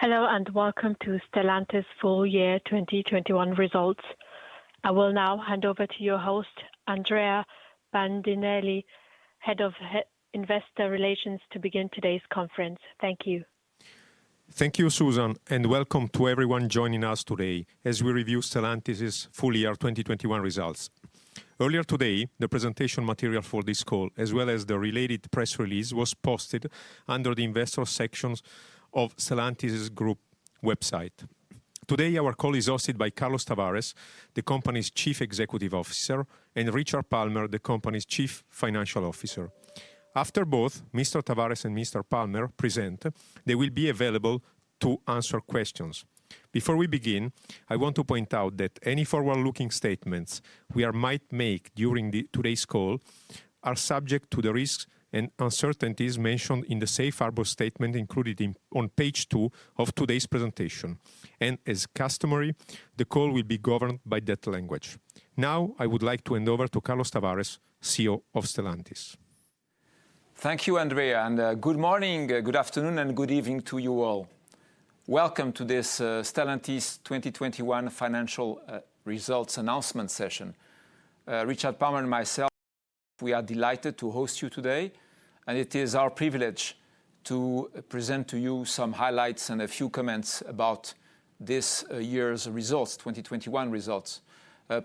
Hello, welcome to Stellantis Full Year 2021 Results. I will now hand over to your host, Andrea Bandinelli, Head of Investor Relations, to begin today's conference. Thank you. Thank you, Susan, and welcome to everyone joining us today as we review Stellantis' full year 2021 results. Earlier today, the presentation material for this call, as well as the related press release, was posted under the investor sections of Stellantis' Group website. Today, our call is hosted by Carlos Tavares, the company's Chief Executive Officer, and Richard Palmer, the company's Chief Financial Officer. After both Mr. Tavares and Mr. Palmer present, they will be available to answer questions. Before we begin, I want to point out that any forward-looking statements we might make during today's call are subject to the risks and uncertainties mentioned in the safe harbor statement included on Page two of today's presentation. As customary, the call will be governed by that language. Now I would like to hand over to Carlos Tavares, CEO of Stellantis. Thank you, Andrea, and good morning, good afternoon, and good evening to you all. Welcome to this Stellantis 2021 financial results announcement session. Richard Palmer and myself, we are delighted to host you today, and it is our privilege to present to you some highlights and a few comments about this year's results, 2021 results.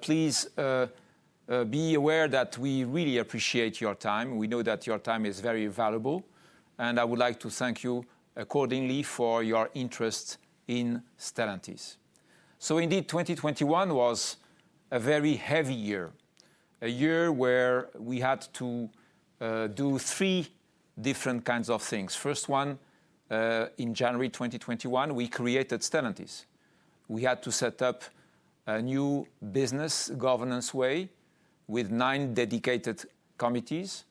Please be aware that we really appreciate your time. We know that your time is very valuable, and I would like to thank you accordingly for your interest in Stellantis. Indeed, 2021 was a very heavy year. A year where we had to do three different kinds of things. First one, in January 2021, we created Stellantis. We had to set up a new business governance way with nine dedicated committees.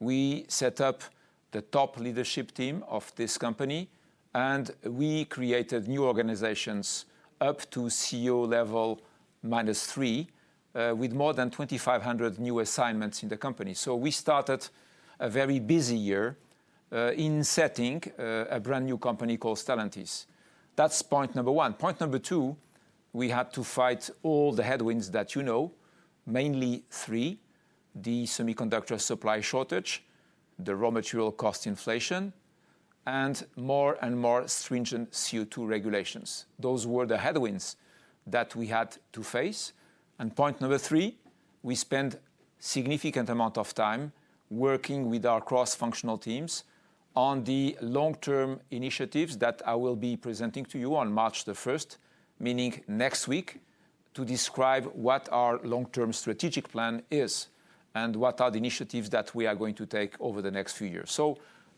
We set up the top leadership team of this company, and we created new organizations up to CEO level minus three, with more than 2,500 new assignments in the company. We started a very busy year in setting a brand new company called Stellantis. That's point number one. Point number two, we had to fight all the headwinds that you know, mainly three, the semiconductor supply shortage, the raw material cost inflation, and more and more stringent CO2 regulations. Those were the headwinds that we had to face. Point number three, we spent significant amount of time working with our cross-functional teams on the long-term initiatives that I will be presenting to you on March 1st, meaning next week, to describe what our long-term strategic plan is and what are the initiatives that we are going to take over the next few years.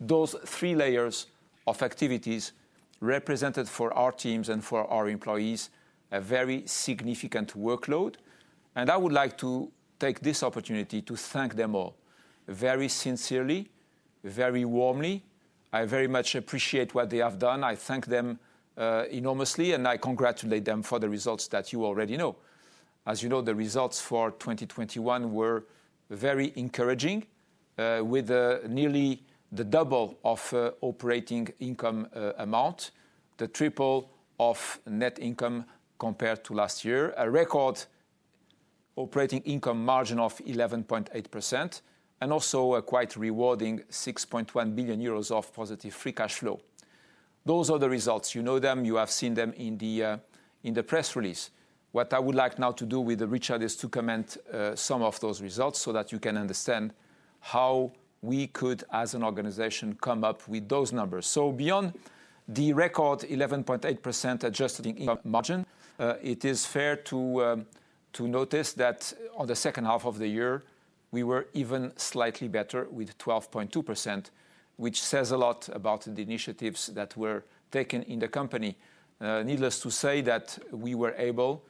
Those three layers of activities represented for our teams and for our employees a very significant workload, and I would like to take this opportunity to thank them all very sincerely, very warmly. I very much appreciate what they have done. I thank them enormously, and I congratulate them for the results that you already know. As you know, the results for 2021 were very encouraging with nearly the double of operating income amount, the triple of net income compared to last year, a record operating income margin of 11.8%, and also a quite rewarding 6.1 billion euros of positive free cash flow. Those are the results. You know them. You have seen them in the press release. What I would like now to do with Richard is to comment some of those results so that you can understand how we could, as an organization, come up with those numbers. Beyond the record 11.8% adjusted operating income margin, it is fair to notice that on the second half of the year, we were even slightly better with 12.2%, which says a lot about the initiatives that were taken in the company. Needless to say that we were able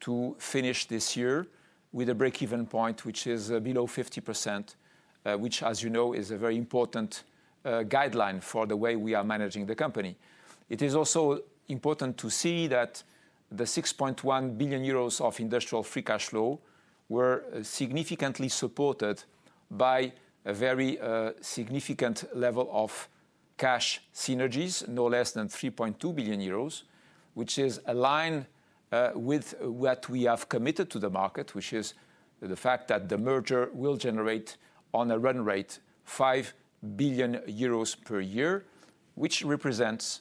to finish this year with a break-even point, which is below 50%, which as you know is a very important guideline for the way we are managing the company. It is also important to see that the 6.1 billion euros of industrial free cash flow were significantly supported by a very, significant level of cash synergies, no less than 3.2 billion euros, which is aligned, with what we have committed to the market, which is the fact that the merger will generate on a run rate 5 billion euros per year, which represents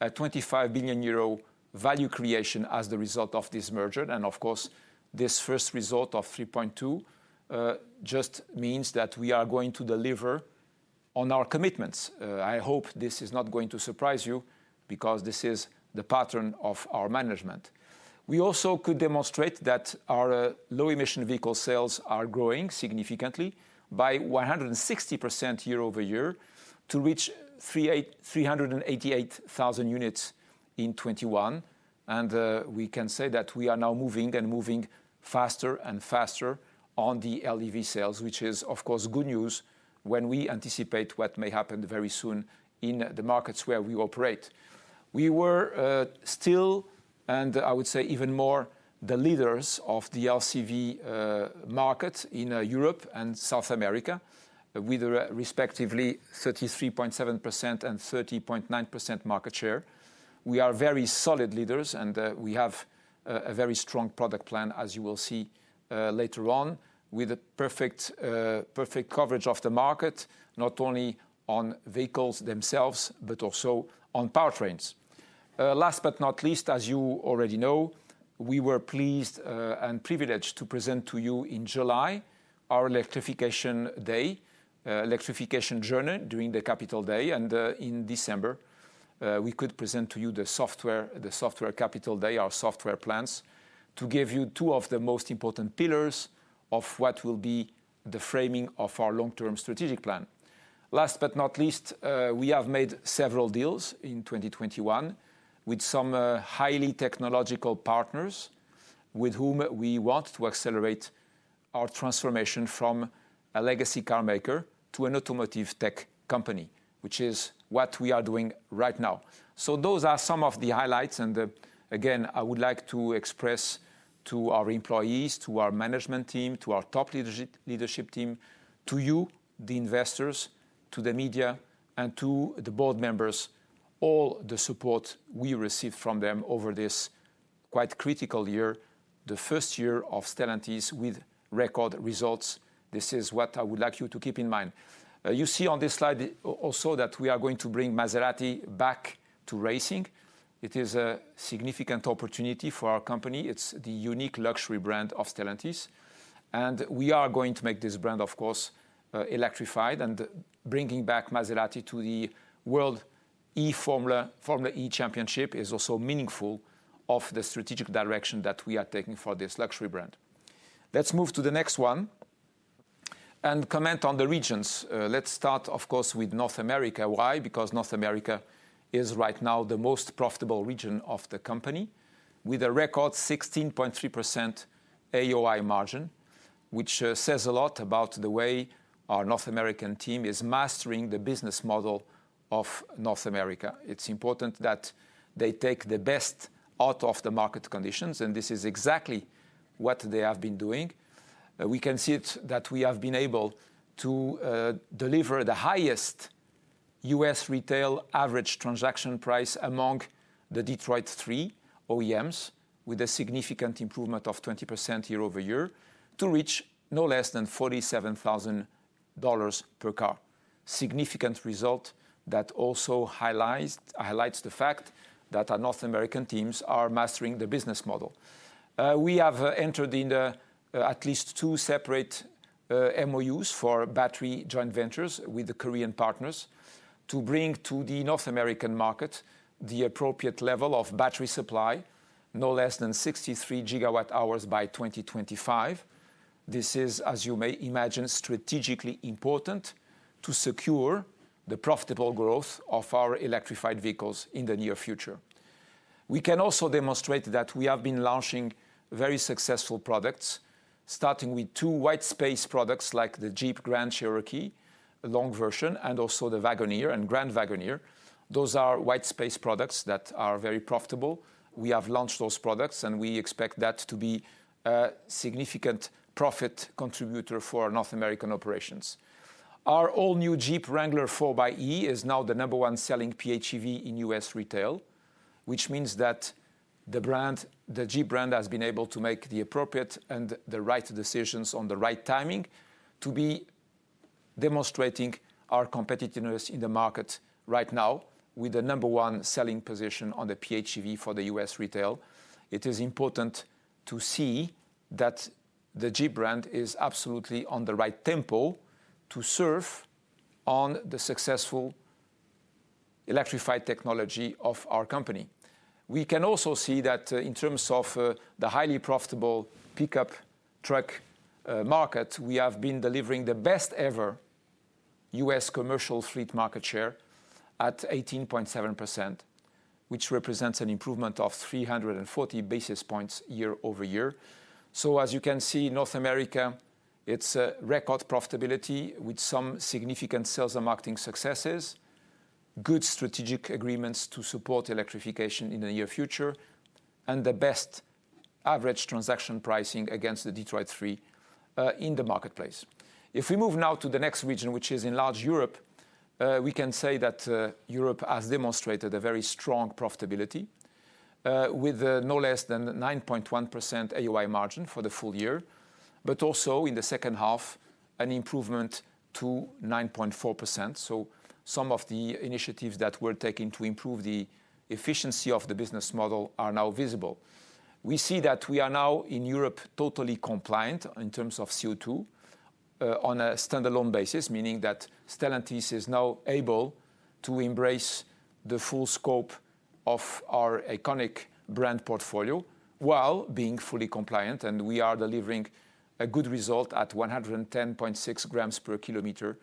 a 25 billion euro value creation as the result of this merger. Of course, this first result of 3.2 just means that we are going to deliver on our commitments. I hope this is not going to surprise you because this is the pattern of our management. We also could demonstrate that our low emission vehicle sales are growing significantly by 160% year-over-year to reach 388,000 units in 2021. We can say that we are now moving faster and faster on the LEV sales, which is of course good news when we anticipate what may happen very soon in the markets where we operate. We were still, and I would say even more, the leaders of the LCV market in Europe and South America with respectively 33.7% and 30.9% market share. We are very solid leaders, and we have a very strong product plan as you will see later on with a perfect coverage of the market, not only on vehicles themselves, but also on powertrains. Last but not least, as you already know, we were pleased and privileged to present to you in July our electrification day, electrification journey during the Capital Day. In December, we could present to you the software capital day, our software plans to give you two of the most important pillars of what will be the framing of our long-term strategic plan. Last but not least, we have made several deals in 2021 with some highly technological partners with whom we want to accelerate our transformation from a legacy car maker to an automotive tech company, which is what we are doing right now. Those are some of the highlights. Again, I would like to express to our employees, to our management team, to our top leadership team, to you the investors, to the media, and to the board members all the support we received from them over this quite critical year, the first year of Stellantis with record results. This is what I would like you to keep in mind. You see on this slide also that we are going to bring Maserati back to racing. It is a significant opportunity for our company. It's the unique luxury brand of Stellantis, and we are going to make this brand, of course, electrified. Bringing back Maserati to the world Formula E Championship is also meaningful of the strategic direction that we are taking for this luxury brand. Let's move to the next one and comment on the regions. Let's start of course with North America. Why? Because North America is right now the most profitable region of the company with a record 16.3% AOI margin, which says a lot about the way our North American team is mastering the business model of North America. It's important that they take the best out of the market conditions, and this is exactly what they have been doing. We can see in that we have been able to deliver the highest U.S. retail average transaction price among the Detroit Three OEMs with a significant improvement of 20% year-over-year to reach no less than $47,000 per car. Significant result that also highlights the fact that our North American teams are mastering the business model. We have entered into at least two separate MoUs for battery joint ventures with the Korean partners to bring to the North American market the appropriate level of battery supply, no less than 63GW hours by 2025. This is, as you may imagine, strategically important to secure the profitable growth of our electrified vehicles in the near future. We can also demonstrate that we have been launching very successful products, starting with two white space products like the Jeep Grand Cherokee, long version, and also the Wagoneer and Grand Wagoneer. Those are white space products that are very profitable. We have launched those products, and we expect that to be a significant profit contributor for our North American operations. Our all-new Jeep Wrangler 4xe is now the number one selling PHEV in U.S. retail, which means that the brand, the Jeep brand, has been able to make the appropriate and the right decisions on the right timing to be demonstrating our competitiveness in the market right now with the number one selling position on the PHEV for the U.S. retail. It is important to see that the Jeep brand is absolutely on the right tempo to surf on the successful electrified technology of our company. We can also see that, in terms of, the highly profitable pickup truck market, we have been delivering the best ever U.S. commercial fleet market share at 18.7%, which represents an improvement of 340 basis points year-over-year. As you can see, North America, it's a record profitability with some significant sales and marketing successes, good strategic agreements to support electrification in the near future, and the best average transaction pricing against the Detroit Three in the marketplace. If we move now to the next region, which is Enlarged Europe, we can say that Europe has demonstrated a very strong profitability with no less than 9.1% AOI margin for the full year, but also in the second half, an improvement to 9.4%. Some of the initiatives that we're taking to improve the efficiency of the business model are now visible. We see that we are now in Europe, totally compliant in terms of CO2, on a standalone basis, meaning that Stellantis is now able to embrace the full scope of our iconic brand portfolio while being fully compliant. We are delivering a good result at 110.6 grams per kilometer,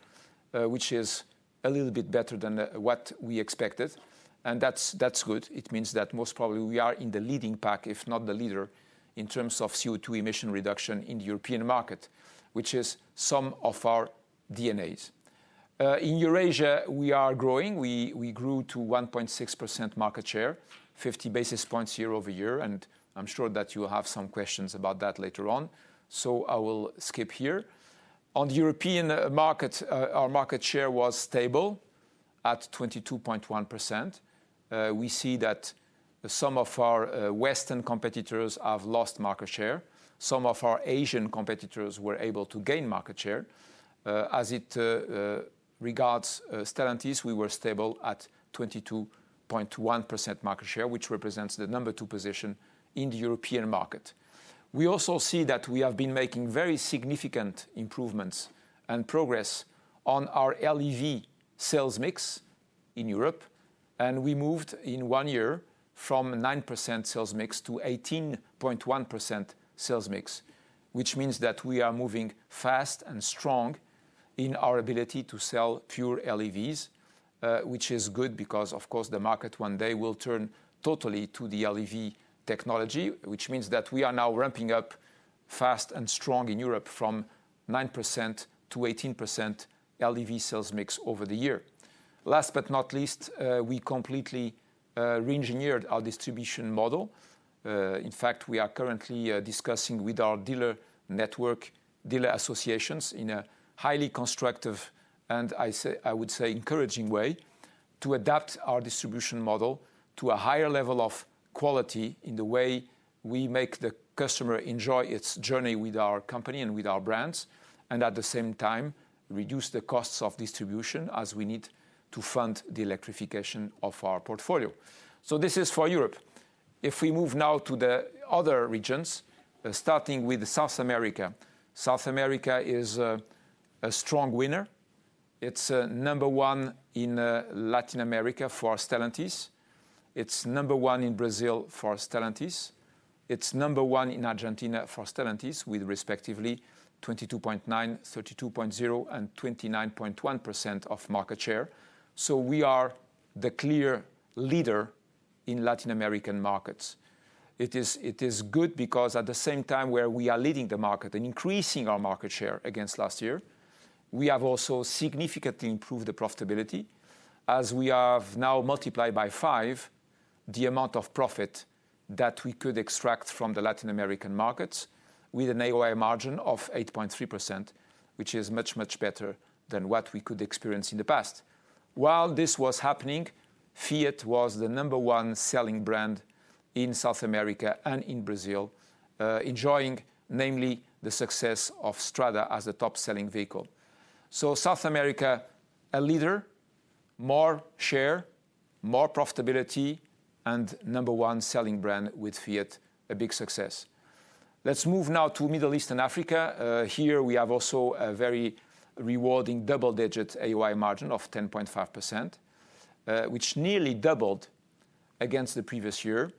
which is a little bit better than what we expected. That's good. It means that most probably we are in the leading pack, if not the leader, in terms of CO2 emission reduction in the European market, which is some of our DNAs. In Eurasia, we are growing. We grew to 1.6% market share, 50 basis points year over year. I'm sure that you will have some questions about that later on, so I will skip here. On European markets, our market share was stable at 22.1%. We see that some of our Western competitors have lost market share. Some of our Asian competitors were able to gain market share. As regards Stellantis, we were stable at 22.1% market share, which represents the number two position in the European market. We also see that we have been making very significant improvements and progress on our LEV sales mix in Europe. We moved in one year from 9% sales mix to 18.1% sales mix, which means that we are moving fast and strong in our ability to sell pure LEVs. Which is good because, of course, the market one day will turn totally to the LEV technology, which means that we are now ramping up fast and strong in Europe from 9% to 18% LEV sales mix over the year. Last but not least, we completely reengineered our distribution model. In fact, we are currently discussing with our dealer network, dealer associations in a highly constructive, and I say, I would say encouraging way, to adapt our distribution model to a higher level of quality in the way we make the customer enjoy its journey with our company and with our brands. And at the same time, reduce the costs of distribution as we need to fund the electrification of our portfolio. This is for Europe. If we move now to the other regions, starting with South America. South America is a strong winner. It's number one in Latin America for Stellantis. It's number one in Brazil for Stellantis. It's number one in Argentina for Stellantis, with respectively 22.9%, 32.0%, and 29.1% of market share. We are the clear leader in Latin American markets. It is good because at the same time where we are leading the market and increasing our market share against last year, we have also significantly improved the profitability, as we have now multiplied by five the amount of profit that we could extract from the Latin American markets with an AOI margin of 8.3%, which is much, much better than what we could experience in the past. While this was happening, Fiat was the number one selling brand in South America and in Brazil, enjoying namely the success of Strada as a top-selling vehicle. South America, a leader, more share, more profitability, and number one selling brand with Fiat, a big success. Let's move now to Middle East and Africa. Here we have also a very rewarding double-digit AOI margin of 10.5%, which nearly doubled against the previous year.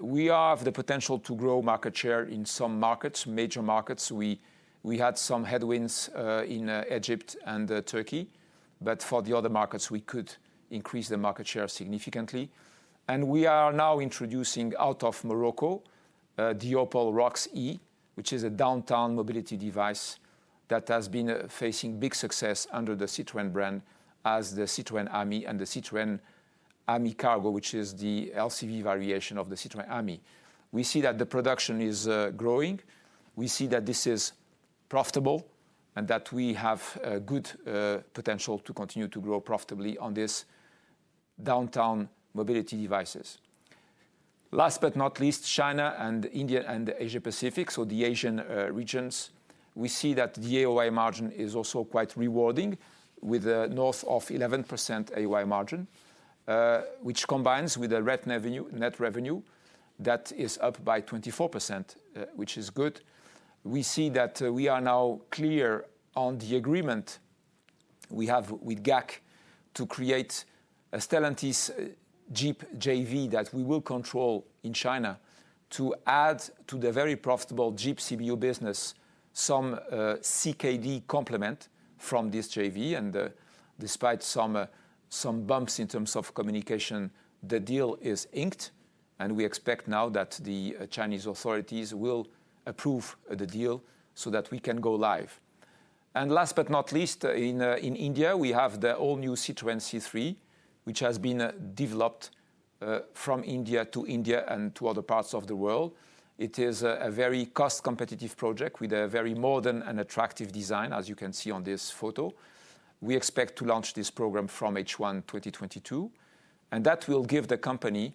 We have the potential to grow market share in some markets, major markets. We had some headwinds in Egypt and Turkey. But for the other markets, we could increase the market share significantly. We are now introducing out of Morocco the Opel Rocks-e, which is a downtown mobility device that has been facing big success under the Citroën brand as the Citroën Ami and the Citroën Ami Cargo, which is the LCV variation of the Citroën Ami. We see that the production is growing. We see that this is profitable and that we have good potential to continue to grow profitably on these downtown mobility devices. Last but not least, China and India and Asia Pacific, so the Asian regions. We see that the AOI margin is also quite rewarding with north of 11% AOI margin, which combines with the net revenue that is up by 24%, which is good. We see that we are now clear on the agreement we have with GAC to create a Stellantis Jeep JV that we will control in China to add to the very profitable Jeep CBU business some CKD complement from this JV. Despite some bumps in terms of communication, the deal is inked, and we expect now that the Chinese authorities will approve the deal so that we can go live. Last but not least, in India, we have the all-new Citroën C3, which has been developed from India to India and to other parts of the world. It is a very cost-competitive project with a very modern and attractive design, as you can see on this photo. We expect to launch this program from H1 2022, and that will give the company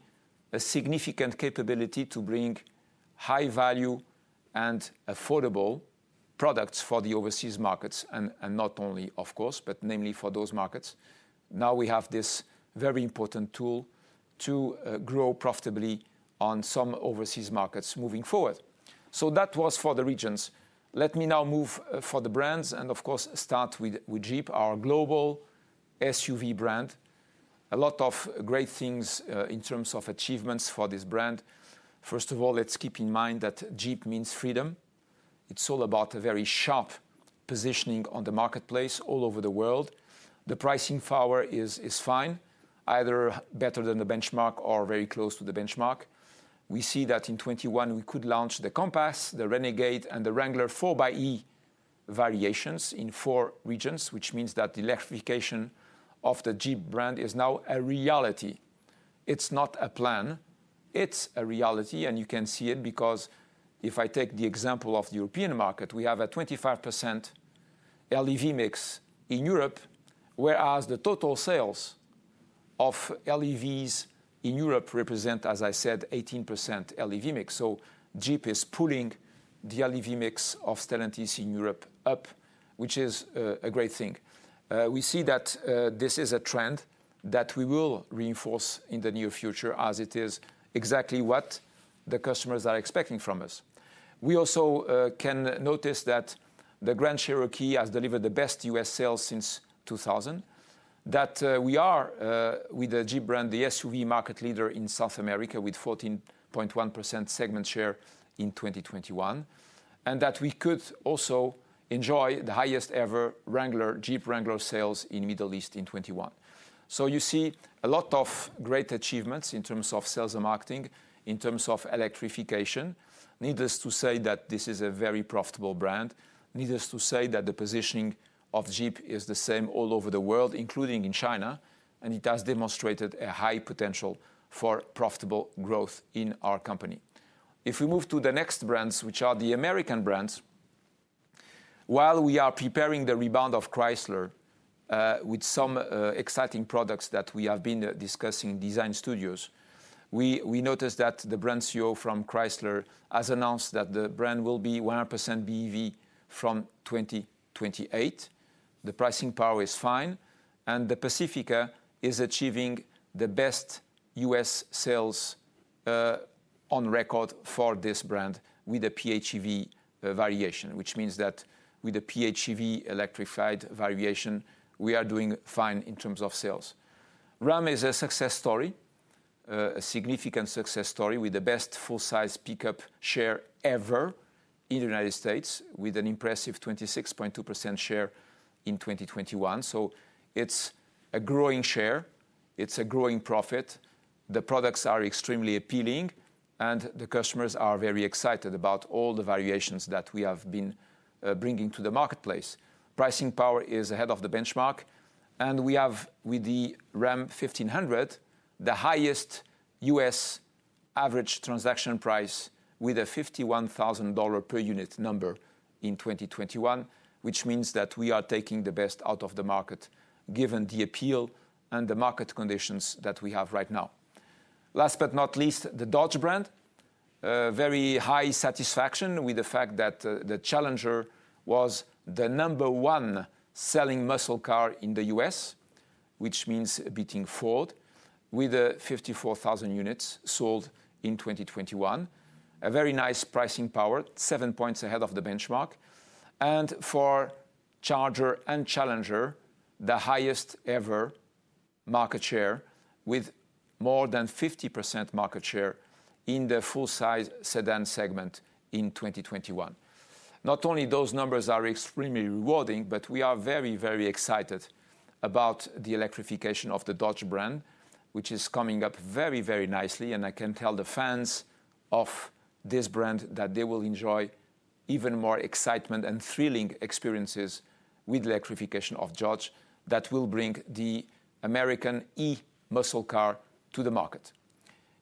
a significant capability to bring high value and affordable products for the overseas markets, and not only, of course, but namely for those markets. Now we have this very important tool to grow profitably on some overseas markets moving forward. That was for the regions. Let me now move for the brands and, of course, start with Jeep, our global SUV brand. A lot of great things in terms of achievements for this brand. First of all, let's keep in mind that Jeep means freedom. It's all about a very sharp positioning on the marketplace all over the world. The pricing power is fine. Either better than the benchmark or very close to the benchmark. We see that in 2021 we could launch the Compass, the Renegade, and the Wrangler 4xe variations in four regions, which means that the electrification of the Jeep brand is now a reality. It's not a plan, it's a reality, and you can see it because if I take the example of the European market, we have a 25% LEV mix in Europe, whereas the total sales of LEVs in Europe represent, as I said, 18% LEV mix. Jeep is pulling the LEV mix of Stellantis in Europe up, which is a great thing. We see that this is a trend that we will reinforce in the near future as it is exactly what the customers are expecting from us. We also can notice that the Grand Cherokee has delivered the best U.S. sales since 2000. That we are with the Jeep brand, the SUV market leader in South America with 14.1% segment share in 2021, and that we could also enjoy the highest ever Wrangler, Jeep Wrangler sales in Middle East in 2021. You see a lot of great achievements in terms of sales and marketing, in terms of electrification. Needless to say that this is a very profitable brand. Needless to say that the positioning of Jeep is the same all over the world, including in China, and it has demonstrated a high potential for profitable growth in our company. If we move to the next brands, which are the American brands, while we are preparing the rebound of Chrysler with some exciting products that we have been discussing in design studios, we noticed that the brand CEO from Chrysler has announced that the brand will be 100% BEV from 2028. The pricing power is fine, and the Pacifica is achieving the best U.S. sales on record for this brand with a PHEV variation. Which means that with a PHEV electrified variation, we are doing fine in terms of sales. Ram is a success story, a significant success story with the best full-size pickup share ever in the United States with an impressive 26.2% share in 2021. It's a growing share. It's a growing profit. The products are extremely appealing, and the customers are very excited about all the variations that we have been bringing to the marketplace. Pricing power is ahead of the benchmark, and we have with the Ram 1500, the highest U.S. average transaction price with a $51,000 per unit number in 2021, which means that we are taking the best out of the market given the appeal and the market conditions that we have right now. Last but not least, the Dodge brand. Very high satisfaction with the fact that the Challenger was the number one selling muscle car in the U.S., which means beating Ford with 54,000 units sold in 2021. A very nice pricing power, seven points ahead of the benchmark. For Charger and Challenger, the highest ever market share with more than 50% market share in the full-size sedan segment in 2021. Not only those numbers are extremely rewarding, but we are very, very excited about the electrification of the Dodge brand, which is coming up very, very nicely, and I can tell the fans of this brand that they will enjoy even more excitement and thrilling experiences with the electrification of Dodge that will bring the American E muscle car to the market.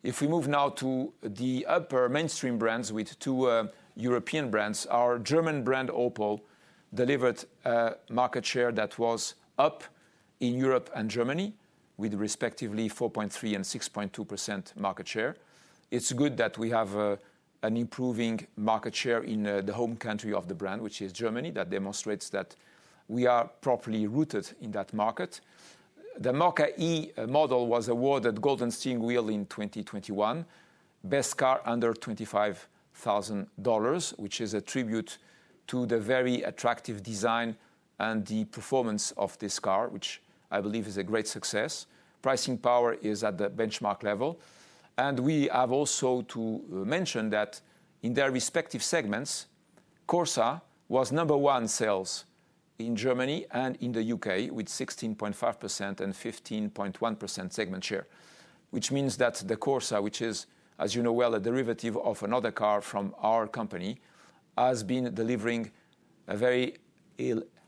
If we move now to the upper mainstream brands with two European brands. Our German brand, Opel, delivered a market share that was up in Europe and Germany with respectively 4.3% and 6.2% market share. It's good that we have an improving market share in the home country of the brand, which is Germany. That demonstrates that we are properly rooted in that market. The Mokka-e model was awarded Golden Steering Wheel in 2021. Best car under $25,000, which is a tribute to the very attractive design and the performance of this car, which I believe is a great success. Pricing power is at the benchmark level. We have also to mention that in their respective segments, Corsa was number one sales in Germany and in the U.K. with 16.5% and 15.1% segment share. Which means that the Corsa, which is, as you know well, a derivative of another car from our company, has been delivering a very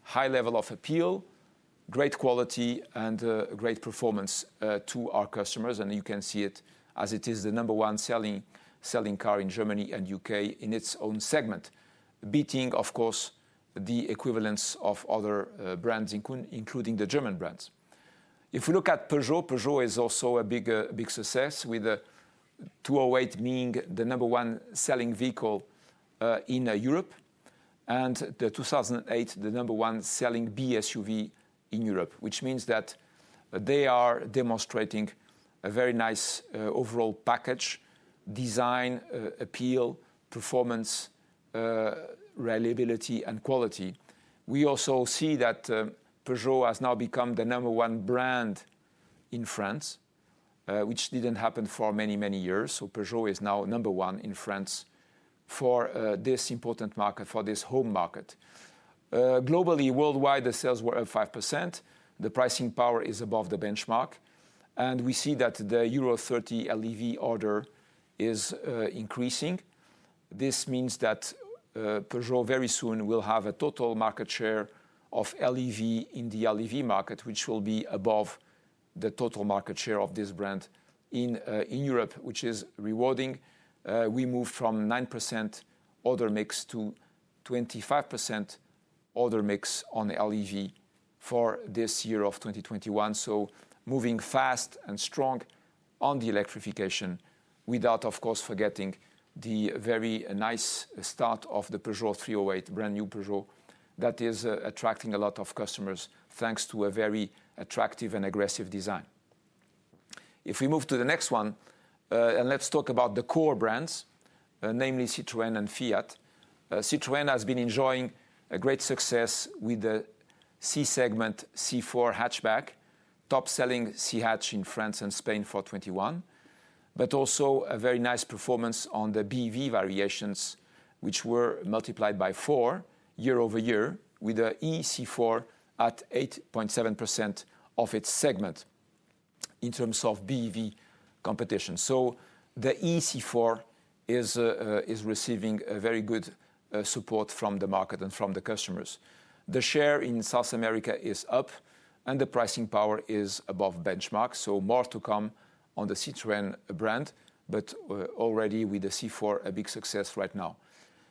high level of appeal, great quality, and great performance to our customers. You can see it as it is the number one selling car in Germany and U.K. in its own segment. Beating, of course, the equivalence of other brands, including the German brands. If we look at Peugeot is also a big success with the 208 being the number one selling vehicle in Europe. The 2008, the number one selling B SUV in Europe, which means that they are demonstrating a very nice overall package, design appeal, performance, reliability, and quality. We also see that Peugeot has now become the number one brand in France, which didn't happen for many years. Peugeot is now number one in France for this important market, for this home market. Globally, worldwide, the sales were up 5%. The pricing power is above the benchmark. We see that the Euro 30 LEV order is increasing. This means that Peugeot very soon will have a total market share of LEV in the LEV market, which will be above the total market share of this brand in Europe, which is rewarding. We moved from 9% order mix to 25% order mix on the LEV for this year of 2021. Moving fast and strong on the electrification without, of course, forgetting the very nice start of the Peugeot 308, brand new Peugeot, that is attracting a lot of customers thanks to a very attractive and aggressive design. If we move to the next one, and let's talk about the core brands, namely Citroën and Fiat. Citroën has been enjoying a great success with the C-segment C4 hatchback, top-selling C-hatch in France and Spain for 2021, but also a very nice performance on the BEV variations, which were multiplied by four year-over-year with a ë-C4 at 8.7% of its segment in terms of BEV competition. The ë-C4 is receiving a very good support from the market and from the customers. The share in South America is up and the pricing power is above benchmark, so more to come on the Citroën brand, but already with the C4, a big success right now.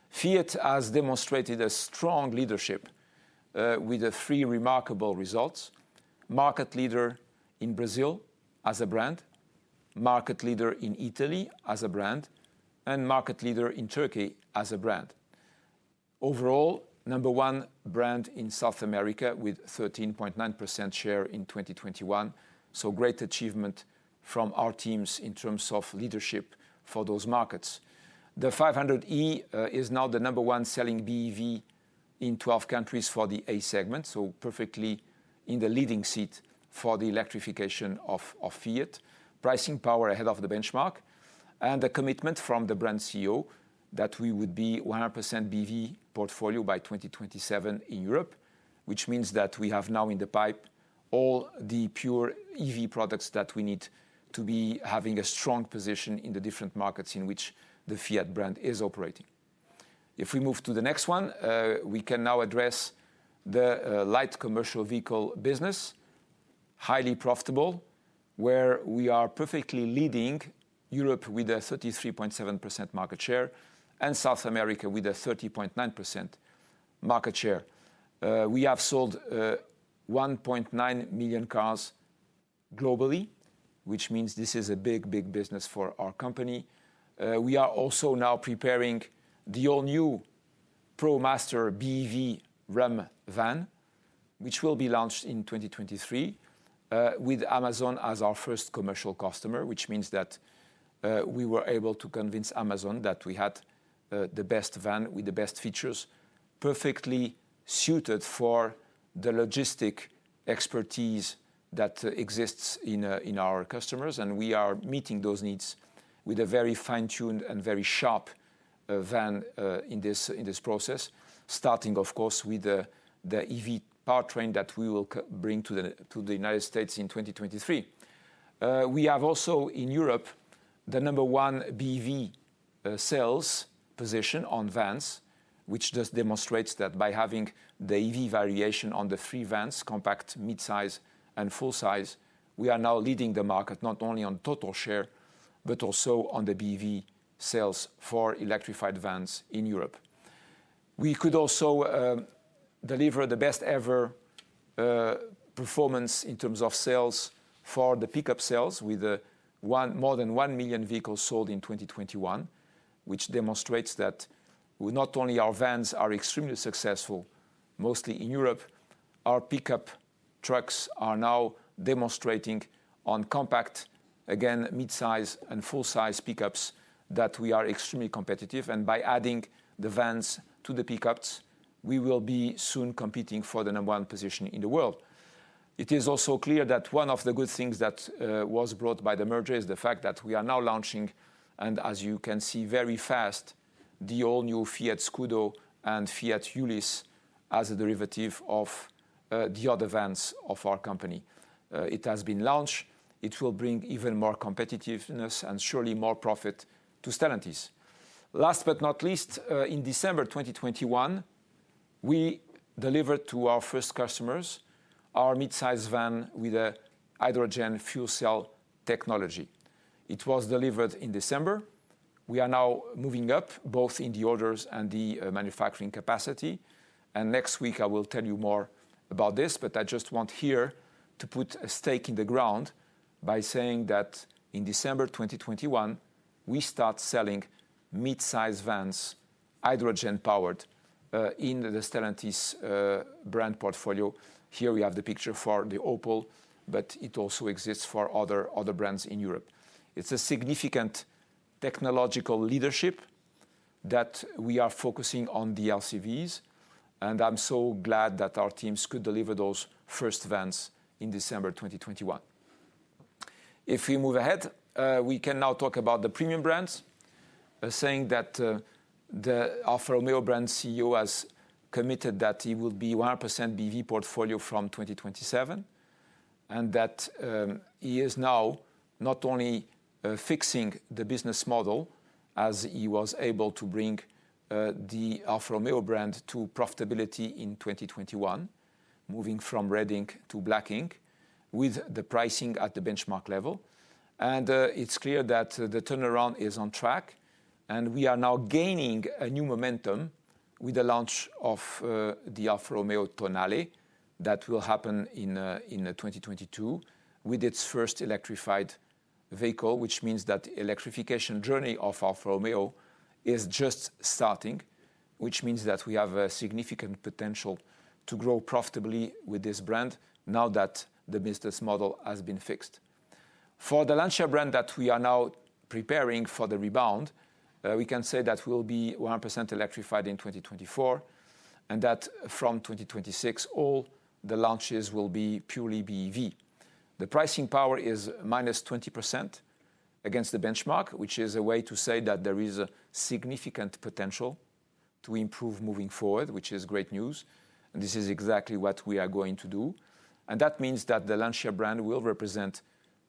Fiat has demonstrated a strong leadership with the three remarkable results, market leader in Brazil as a brand, market leader in Italy as a brand, and market leader in Turkey as a brand. Overall, number one brand in South America with 13.9% share in 2021, so great achievement from our teams in terms of leadership for those markets. The 500e is now the number one selling BEV in 12 countries for the A segment, so perfectly in the leading seat for the electrification of Fiat. Pricing power ahead of the benchmark. A commitment from the brand CEO that we would be 100% BEV portfolio by 2027 in Europe, which means that we have now in the pipeline all the pure EV products that we need to be having a strong position in the different markets in which the Fiat brand is operating. If we move to the next one, we can now address the light commercial vehicle business, highly profitable, where we are perfectly leading Europe with a 33.7% market share and South America with a 30.9% market share. We have sold 1.9 million cars globally, which means this is a big, big business for our company. We are also now preparing the all-new ProMaster EV Ram Van, which will be launched in 2023, with Amazon as our first commercial customer, which means that we were able to convince Amazon that we had the best van with the best features, perfectly suited for the logistics expertise that exists in our customers, and we are meeting those needs with a very fine-tuned and very sharp van in this process, starting of course, with the EV powertrain that we will bring to the United States in 2023. We have also in Europe the number one BEV sales position on vans, which just demonstrates that by having the EV variation on the three vans, compact, mid-size and full-size, we are now leading the market not only on total share, but also on the BEV sales for electrified vans in Europe. We could also deliver the best ever performance in terms of sales for the pickup sales with more than 1 million vehicles sold in 2021, which demonstrates that not only our vans are extremely successful, mostly in Europe, our pickup trucks are now demonstrating on compact, again, mid-size and full-size pickups that we are extremely competitive. By adding the vans to the pickups, we will be soon competing for the number one position in the world. It is also clear that one of the good things that was brought by the merger is the fact that we are now launching, and as you can see very fast, the all new Fiat Scudo and Fiat Ulysse as a derivative of the other vans of our company. It has been launched. It will bring even more competitiveness and surely more profit to Stellantis. Last but not least, in December 2021, we delivered to our first customers our mid-size van with a hydrogen fuel cell technology. It was delivered in December. We are now moving up, both in the orders and the manufacturing capacity. Next week, I will tell you more about this, but I just want here to put a stake in the ground by saying that in December 2021, we start selling mid-size vans, hydrogen-powered, in the Stellantis brand portfolio. Here we have the picture for the Opel, but it also exists for other brands in Europe. It's a significant technological leadership that we are focusing on the LCVs, and I'm so glad that our teams could deliver those first vans in December 2021. If we move ahead, we can now talk about the premium brands. By saying that, the Alfa Romeo brand CEO has committed that he will be 100% BEV portfolio from 2027, and that, he is now not only fixing the business model as he was able to bring the Alfa Romeo brand to profitability in 2021, moving from red ink to black ink with the pricing at the benchmark level. It's clear that the turnaround is on track, and we are now gaining a new momentum with the launch of the Alfa Romeo Tonale that will happen in 2022 with its first electrified vehicle, which means that electrification journey of Alfa Romeo is just starting, which means that we have a significant potential to grow profitably with this brand now that the business model has been fixed. For the Lancia brand that we are now preparing for the rebound, we can say that we'll be 100% electrified in 2024, and that from 2026, all the launches will be purely BEV. The pricing power is minus 20% against the benchmark, which is a way to say that there is a significant potential to improve moving forward, which is great news. This is exactly what we are going to do. That means that the Lancia brand will represent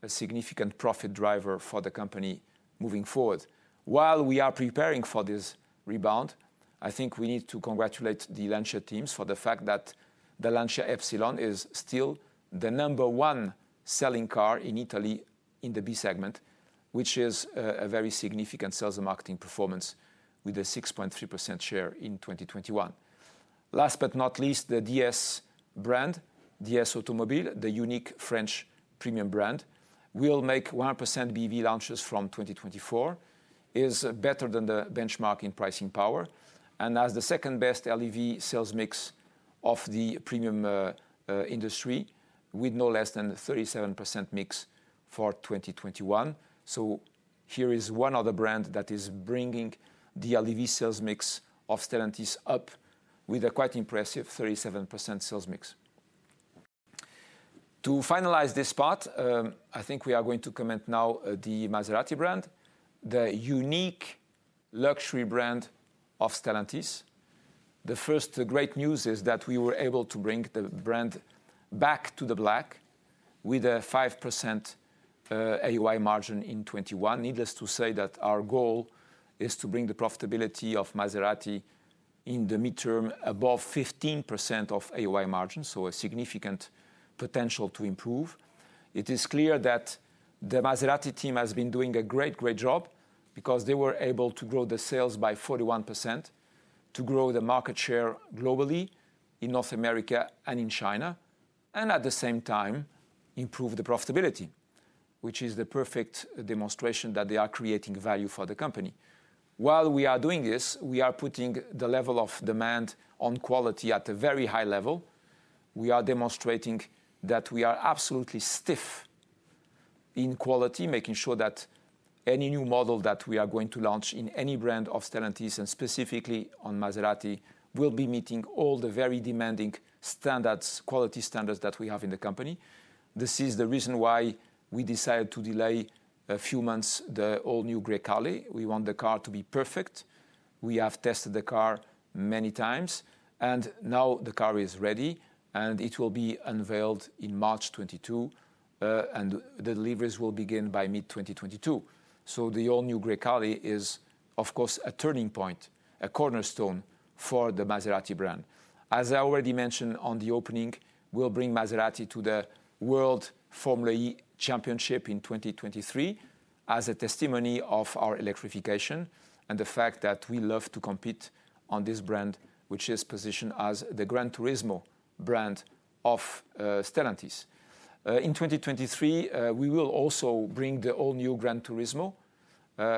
a significant profit driver for the company moving forward. While we are preparing for this rebound, I think we need to congratulate the Lancia teams for the fact that the Lancia Ypsilon is still the number one selling car in Italy in the B segment, which is a very significant sales and marketing performance with a 6.3% share in 2021. Last but not least, the DS brand, DS Automobiles, the unique French premium brand, will make 100% BEV launches from 2024, is better than the benchmark in pricing power, and has the second-best LEV sales mix of the premium industry with no less than 37% mix for 2021. Here is one other brand that is bringing the LEV sales mix of Stellantis up with a quite impressive 37% sales mix. To finalize this part, I think we are going to comment now the Maserati brand, the unique luxury brand of Stellantis. The first great news is that we were able to bring the brand back to the black with a 5% AOI margin in 2021. Needless to say that our goal is to bring the profitability of Maserati in the midterm above 15% AOI margin, so a significant potential to improve. It is clear that the Maserati team has been doing a great job because they were able to grow the sales by 41%, to grow the market share globally in North America and in China, and at the same time, improve the profitability, which is the perfect demonstration that they are creating value for the company. While we are doing this, we are putting the level of demand on quality at a very high level. We are demonstrating that we are absolutely stiff in quality, making sure that any new model that we are going to launch in any brand of Stellantis, and specifically on Maserati, will be meeting all the very demanding standards, quality standards that we have in the company. This is the reason why we decided to delay a few months the all-new Grecale. We want the car to be perfect. We have tested the car many times, and now the car is ready, and it will be unveiled in March 2022, and the deliveries will begin by mid-2022. The all-new Grecale is, of course, a turning point, a cornerstone for the Maserati brand. As I already mentioned on the opening, we'll bring Maserati to the world Formula E Championship in 2023 as a testimony of our electrification and the fact that we love to compete on this brand, which is positioned as the GranTurismo brand of Stellantis. In 2023, we will also bring the all-new GranTurismo,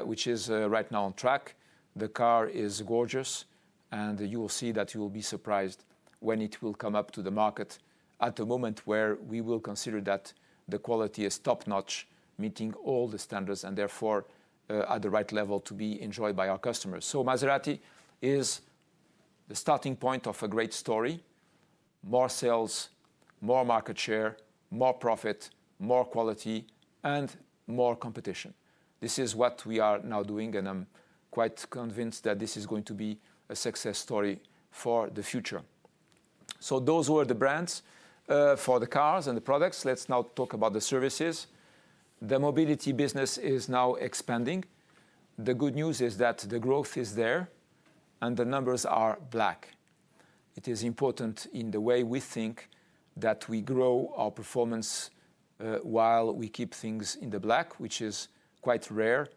which is right now on track. The car is gorgeous, and you will see that you will be surprised when it will come up to the market at the moment where we will consider that the quality is top-notch, meeting all the standards and therefore at the right level to be enjoyed by our customers. Maserati is the starting point of a great story, more sales, more market share, more profit, more quality, and more competition. This is what we are now doing, and I'm quite convinced that this is going to be a success story for the future. Those were the brands for the cars and the products. Let's now talk about the services. The mobility business is now expanding. The good news is that the growth is there, and the numbers are black. It is important in the way we think that we grow our performance while we keep things in the black, which is quite rare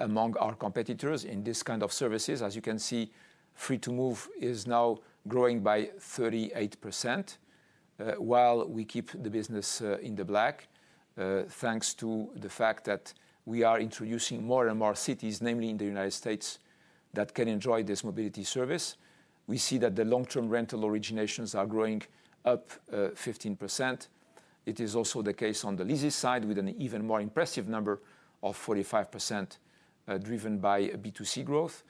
among our competitors in this kind of services. As you can see, Free2move is now growing by 38% while we keep the business in the black thanks to the fact that we are introducing more and more cities, namely in the United States, that can enjoy this mobility service. We see that the long-term rental originations are growing up 15%. It is also the case on the leases side, with an even more impressive number of 45%, driven by B2C growth.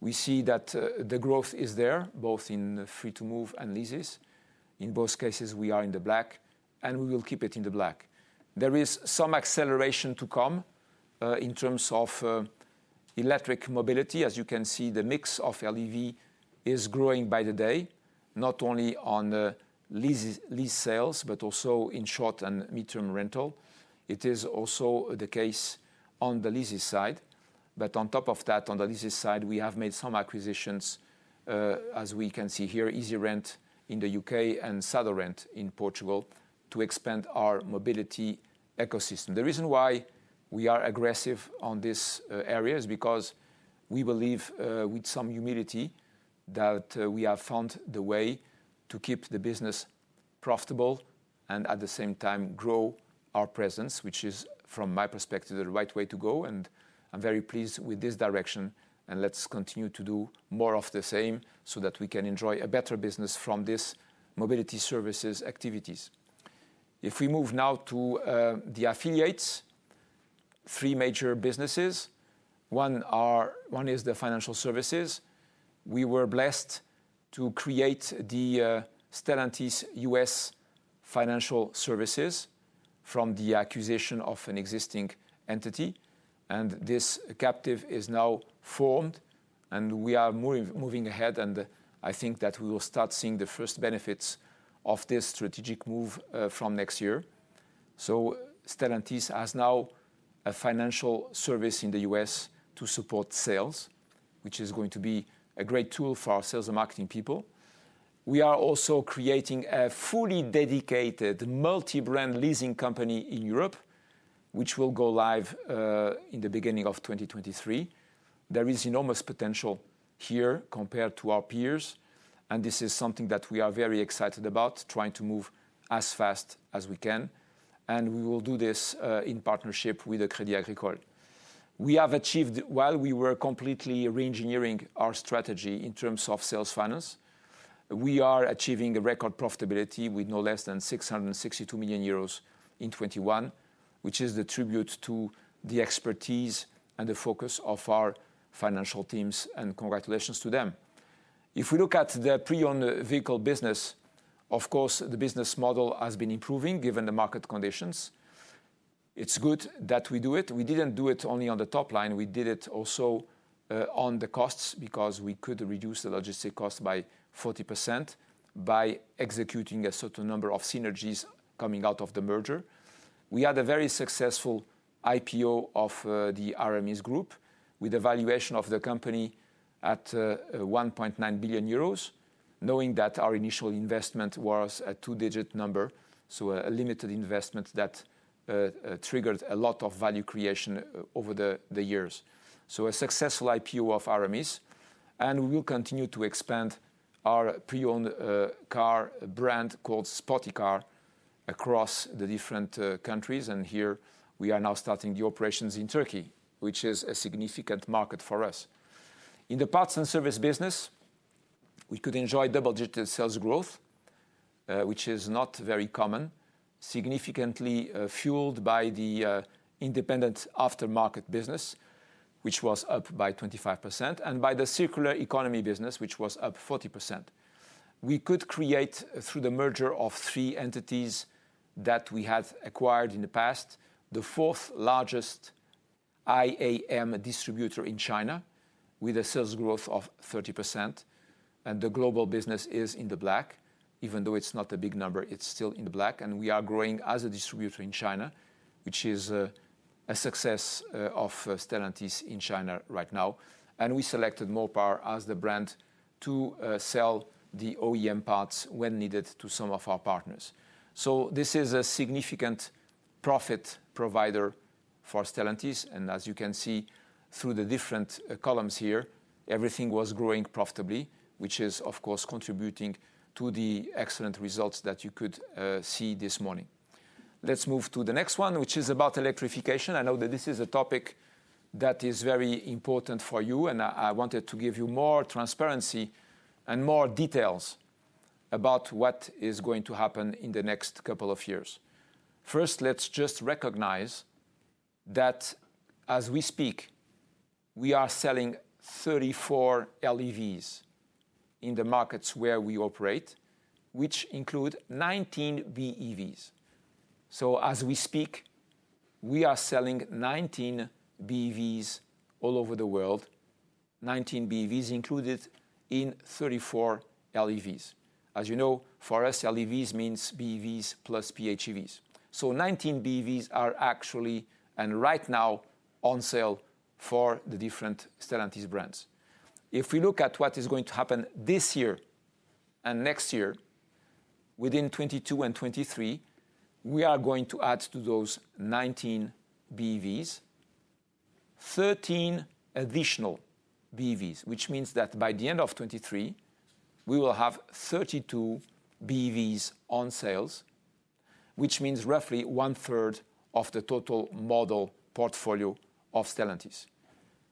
We see that the growth is there, both in Free2move and leases. In both cases, we are in the black, and we will keep it in the black. There is some acceleration to come in terms of electric mobility. As you can see, the mix of LEV is growing by the day, not only on the lease sales, but also in short- and midterm rental. It is also the case on the leases side. But on top of that, on the leases side, we have made some acquisitions, as we can see here, Easirent in the U.K. and Sadorent in Portugal to expand our mobility ecosystem. The reason why we are aggressive on this area is because we believe with some humility that we have found the way to keep the business profitable and at the same time grow our presence, which is, from my perspective, the right way to go. I'm very pleased with this direction, and let's continue to do more of the same so that we can enjoy a better business from this mobility services activities. If we move now to the affiliates, three major businesses. One is the financial services. We were blessed to create the Stellantis U.S. Financial Services from the acquisition of an existing entity. This captive is now formed, and we are moving ahead, and I think that we will start seeing the first benefits of this strategic move from next year. Stellantis has now a financial service in the U.S. to support sales, which is going to be a great tool for our sales and marketing people. We are also creating a fully dedicated multi-brand leasing company in Europe, which will go live in the beginning of 2023. There is enormous potential here compared to our peers, and this is something that we are very excited about, trying to move as fast as we can. We will do this in partnership with Crédit Agricole. We have achieved, while we were completely reengineering our strategy in terms of sales finance, we are achieving a record profitability with no less than 662 million euros in 2021, which is a tribute to the expertise and the focus of our financial teams, and congratulations to them. If we look at the pre-owned vehicle business, of course, the business model has been improving given the market conditions. It's good that we do it. We didn't do it only on the top line. We did it also on the costs because we could reduce the logistic cost by 40% by executing a certain number of synergies coming out of the merger. We had a very successful IPO of the Aramis Group with a valuation of the company at 1.9 billion euros, knowing that our initial investment was a two-digit number, so a limited investment that triggered a lot of value creation over the years. A successful IPO of Aramis. We will continue to expand our pre-owned car brand called Spoticar across the different countries. Here we are now starting the operations in Turkey, which is a significant market for us. In the parts and service business, we could enjoy double-digit sales growth, which is not very common, significantly fueled by the independent aftermarket business, which was up by 25%, and by the circular economy business, which was up 40%. We could create, through the merger of three entities that we have acquired in the past, the fourth-largest IAM distributor in China, with a sales growth of 30%. The global business is in the black. Even though it's not a big number, it's still in the black. We are growing as a distributor in China, which is a success of Stellantis in China right now.\. We selected Mopar as the brand to sell the OEM parts when needed to some of our partners. This is a significant profit provider for Stellantis. As you can see through the different columns here, everything was growing profitably, which is, of course, contributing to the excellent results that you could see this morning. Let's move to the next one, which is about electrification. I know that this is a topic that is very important for you, and I wanted to give you more transparency and more details about what is going to happen in the next couple of years. First, let's just recognize that as we speak, we are selling 34 LEVs in the markets where we operate, which include 19 BEVs. As we speak, we are selling 19 BEVs all over the world, 19 BEVs included in 34 LEVs. As you know, for us, LEVs means BEVs plus PHEVs. Nineteen BEVs are actually and right now on sale for the different Stellantis brands. If we look at what is going to happen this year and next year, within 2022 and 2023, we are going to add to those 19 BEVs 13 additional BEVs, which means that by the end of 2023, we will have 32 BEVs on sale, which means roughly one-third of the total model portfolio of Stellantis.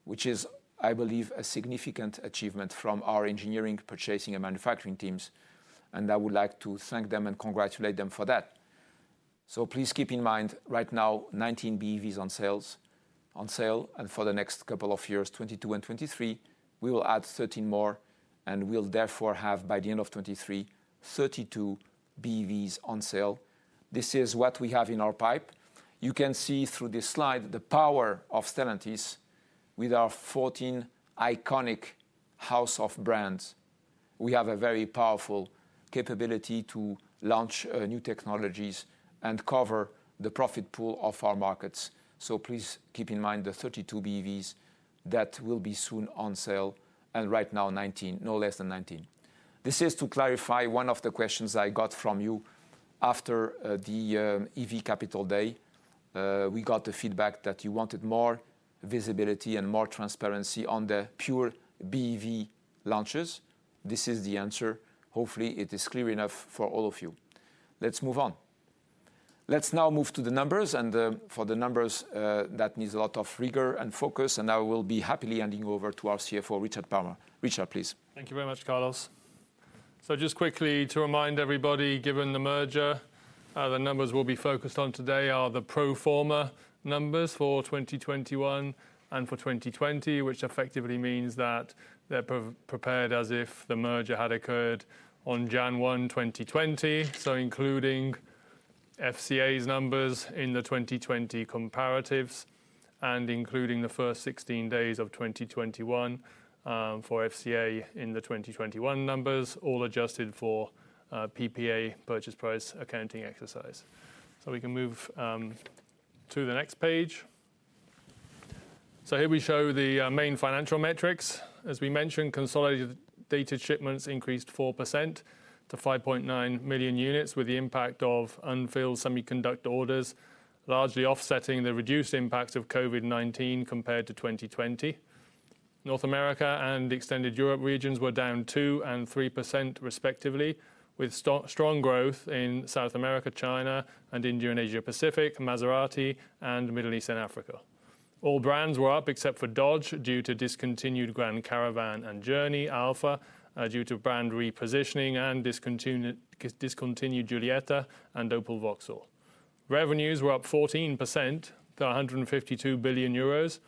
Which is, I believe, a significant achievement from our engineering, purchasing, and manufacturing teams, and I would like to thank them and congratulate them for that. Please keep in mind, right now, 19 BEVs on sale. For the next couple of years, 2022 and 2023, we will add 13 more, and we'll therefore have, by the end of 2023, 32 BEVs on sale. This is what we have in our pipe. You can see through this slide the power of Stellantis with our 14 iconic house of brands. We have a very powerful capability to launch new technologies and cover the profit pool of our markets. Please keep in mind the 32 BEVs that will be soon on sale, and right now 19. No less than 19. This is to clarify one of the questions I got from you after the EV Capital Day. We got the feedback that you wanted more visibility and more transparency on the pure BEV launches. This is the answer. Hopefully, it is clear enough for all of you. Let's move on. Let's now move to the numbers. For the numbers, that needs a lot of rigor and focus, and I will be happily handing over to our CFO, Richard Palmer. Richard, please. Thank you very much, Carlos. Just quickly to remind everybody, given the merger, the numbers we'll be focused on today are the pro forma numbers for 2021 and for 2020, which effectively means that they're prepared as if the merger had occurred on January 1, 2020. Including FCA's numbers in the 2020 comparatives and including the first 16 days of 2021 for FCA in the 2021 numbers, all adjusted for PPA purchase price accounting exercise. We can move to the next page. Here we show the main financial metrics. As we mentioned, consolidated data shipments increased 4% to 5.9 million units, with the impact of unfilled semiconductor orders largely offsetting the reduced impacts of COVID-19 compared to 2020. North America and extended Europe regions were down 2% and 3% respectively, with strong growth in South America, China, and India, and Asia Pacific, and Middle East and Africa. All brands were up except for Dodge due to discontinued Grand Caravan and Journey, Alfa due to brand repositioning and discontinued Giulietta and Opel/Vauxhall. Revenues were up 14% to 152 billion euros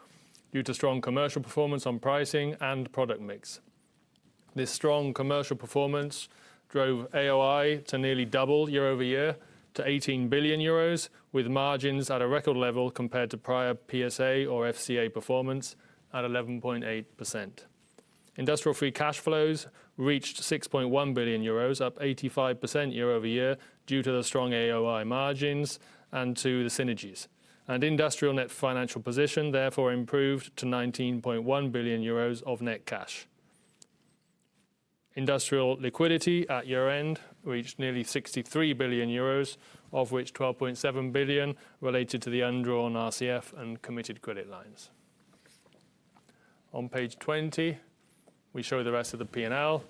due to strong commercial performance on pricing and product mix. This strong commercial performance drove AOI to nearly double year-over-year to 18 billion euros, with margins at a record level compared to prior PSA or FCA performance at 11.8%. Industrial free cash flows reached 6.1 billion euros, up 85% year-over-year due to the strong AOI margins and to the synergies. Industrial net financial position therefore improved to 19.1 billion euros of net cash. Industrial liquidity at year-end reached nearly 63 billion euros, of which 12.7 billion related to the undrawn RCF and committed credit lines. On page 20, we show the rest of the P&L.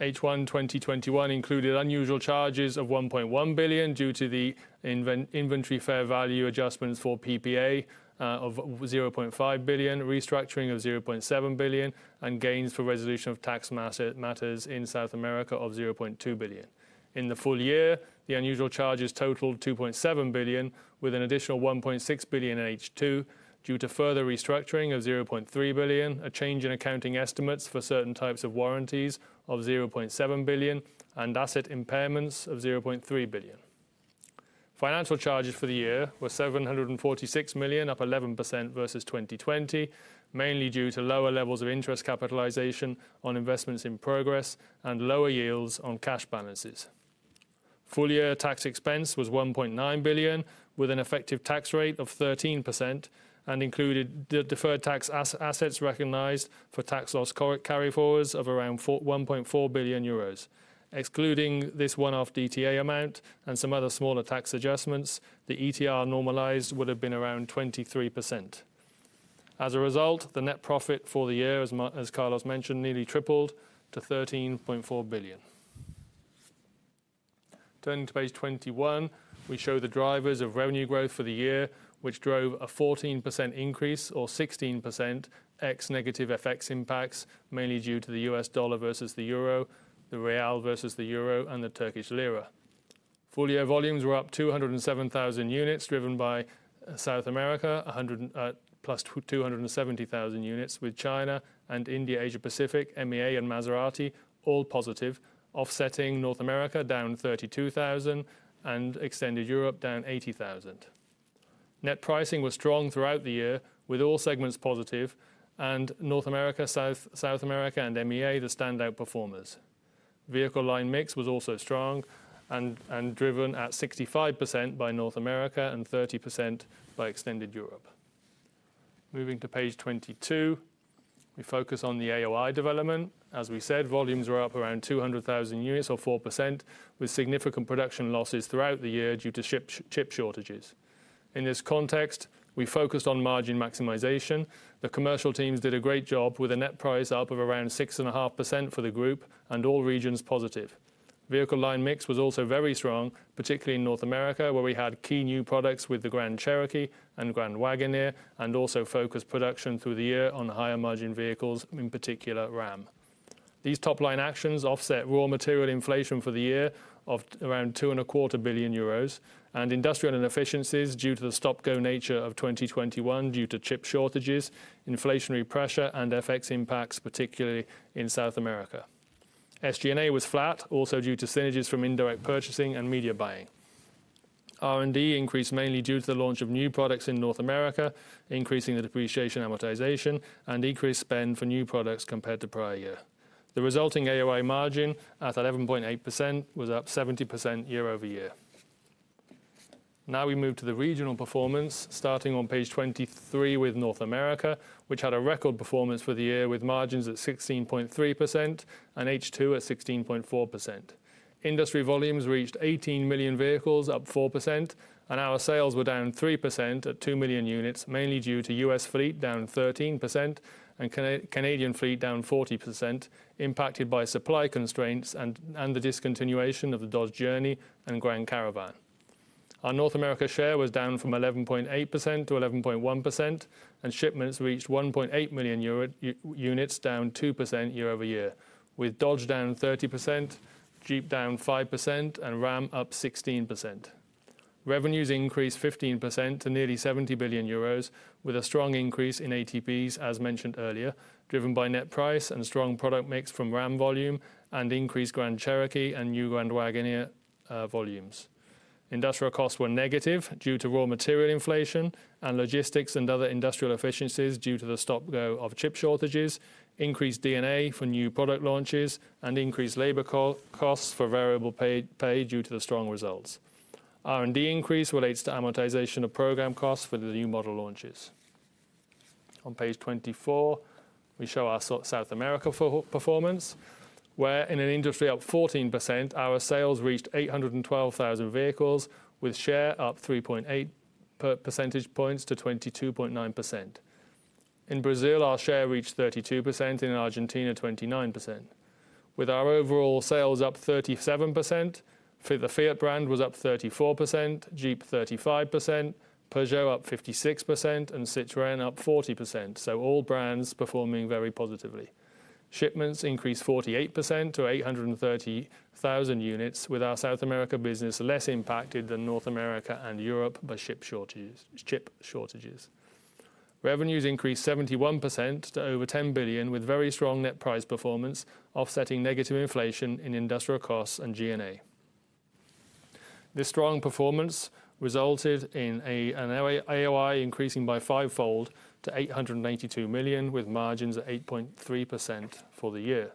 H1 2021 included unusual charges of 1.1 billion due to the inventory fair value adjustments for PPA of 0.5 billion, restructuring of 0.7 billion, and gains for resolution of tax matters in South America of 0.2 billion. In the full year, the unusual charges totaled 2.7 billion, with an additional 1.6 billion in H2 due to further restructuring of 0.3 billion, a change in accounting estimates for certain types of warranties of 0.7 billion, and asset impairments of 0.3 billion. Financial charges for the year were 746 million, up 11% versus 2020, mainly due to lower levels of interest capitalization on investments in progress and lower yields on cash balances. Full year tax expense was 1.9 billion, with an effective tax rate of 13%, and included the deferred tax assets recognized for tax loss carryforwards of around 1.4 billion euros. Excluding this one-off DTA amount and some other smaller tax adjustments, the ETR normalized would have been around 23%. As a result, the net profit for the year, as Carlos mentioned, nearly tripled to 13.4 billion. Turning to Page 21, we show the drivers of revenue growth for the year, which drove a 14% increase or 16% ex negative FX impacts, mainly due to the US dollar versus the euro, the real versus the euro, and the Turkish lira. Full year volumes were up 207,000 units driven by South America, + 270,000 units with China and India, Asia Pacific, MEA, and Maserati, all positive, offsetting North America down 32,000 and Enlarged Europe down 80,000. Net pricing was strong throughout the year with all segments positive, and North America, South America and MEA, the standout performers. Vehicle line mix was also strong and driven at 65% by North America and 30% by extended Europe. Moving to page 22, we focus on the AOI development. As we said, volumes were up around 200,000 units or 4%, with significant production losses throughout the year due to chip shortages. In this context, we focused on margin maximization. The commercial teams did a great job with a net price up of around 6.5% for the group and all regions positive. Vehicle line mix was also very strong, particularly in North America, where we had key new products with the Grand Cherokee and Grand Wagoneer, and also focused production through the year on the higher margin vehicles, in particular Ram. These top-line actions offset raw material inflation for the year of around 2.25 billion euros, and industrial inefficiencies due to the stop-go nature of 2021 due to chip shortages, inflationary pressure, and FX impacts, particularly in South America. SG&A was flat, also due to synergies from indirect purchasing and media buying. R&D increased mainly due to the launch of new products in North America, increasing the depreciation and amortization and increased spend for new products compared to prior year. The resulting AOI margin, at 11.8%, was up 70% year-over-year. Now we move to the regional performance, starting on page 23 with North America, which had a record performance for the year with margins at 16.3% and H2 at 16.4%. Industry volumes reached 18 million vehicles, up 4%, and our sales were down 3% at 2 million units, mainly due to U.S. fleet down 13% and Canadian fleet down 40%, impacted by supply constraints and the discontinuation of the Dodge Journey and Grand Caravan. Our North America share was down from 11.8% to 11.1%, and shipments reached 1.8 million units, down 2% year-over-year, with Dodge down 30%, Jeep down 5%, and Ram up 16%. Revenues increased 15% to nearly 70 billion euros, with a strong increase in ATPs as mentioned earlier, driven by net price and strong product mix from Ram volume and increased Grand Cherokee and new Grand Wagoneer volumes. Industrial costs were negative due to raw material inflation and logistics and other industrial efficiencies due to the stop-go of chip shortages, increased D&A for new product launches, and increased labor costs for variable pay due to the strong results. R&D increase relates to amortization of program costs for the new model launches. On Page 24, we show our South America performance, where in an industry up 14%, our sales reached 812,000 vehicles with share up 3.85% points to 22.9%. In Brazil, our share reached 32%, in Argentina, 29%. With our overall sales up 37%, for the Fiat brand was up 34%, Jeep 35%, Peugeot up 56%, and Citroën up 40%, so all brands performing very positively. Shipments increased 48% to 830,000 units with our South America business less impacted than North America and Europe by chip shortages. Revenues increased 71% to over 10 billion with very strong net price performance, offsetting negative inflation in industrial costs and G&A. This strong performance resulted in an AOI increasing by five-fold to 882 million with margins at 8.3% for the year.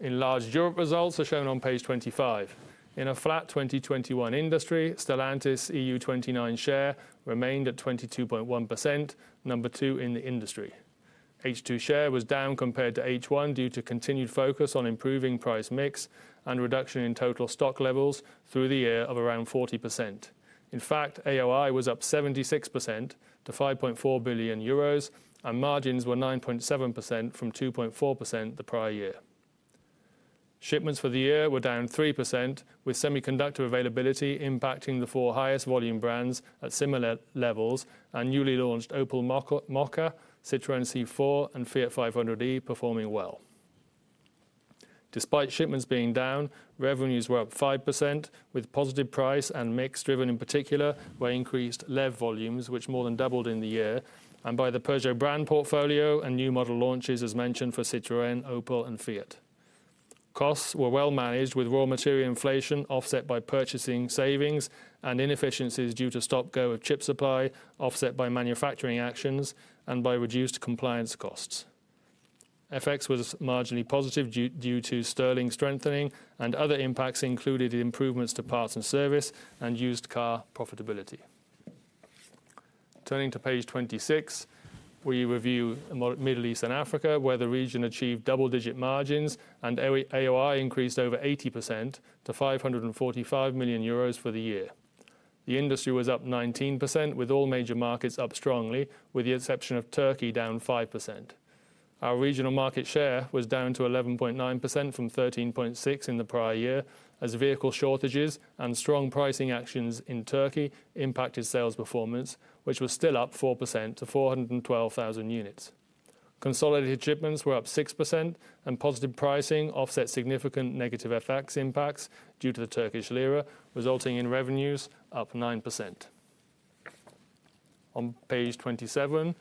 Enlarged Europe results are shown on page 25. In a flat 2021 industry, Stellantis EU 29 share remained at 22.1%, number two in the industry. H2 share was down compared to H1 due to continued focus on improving price mix and reduction in total stock levels through the year of around 40%. In fact, AOI was up 76% to 5.4 billion euros, and margins were 9.7% from 2.4% the prior year. Shipments for the year were down 3%, with semiconductor availability impacting the four highest volume brands at similar levels, and newly launched Opel Mokka, Citroën C4, and Fiat 500e performing well. Despite shipments being down, revenues were up 5% with positive price and mix driven in particular by increased LEV volumes, which more than doubled in the year, and by the Peugeot brand portfolio and new model launches as mentioned for Citroën, Opel, and Fiat. Costs were well managed with raw material inflation offset by purchasing savings and inefficiencies due to stop-go of chip supply, offset by manufacturing actions and by reduced compliance costs. FX was marginally positive due to sterling strengthening, and other impacts included improvements to parts and service and used car profitability. Turning to Page 26, we review Middle East and Africa, where the region achieved double-digit margins and AOI increased over 80% to 545 million euros for the year. The industry was up 19%, with all major markets up strongly, with the exception of Turkey, down 5%. Our regional market share was down to 11.9% from 13.6% in the prior year, as vehicle shortages and strong pricing actions in Turkey impacted sales performance, which was still up 4% to 412,000 units. Consolidated shipments were up 6% and positive pricing offset significant negative FX impacts due to the Turkish lira, resulting in revenues up 9%. On Page 27,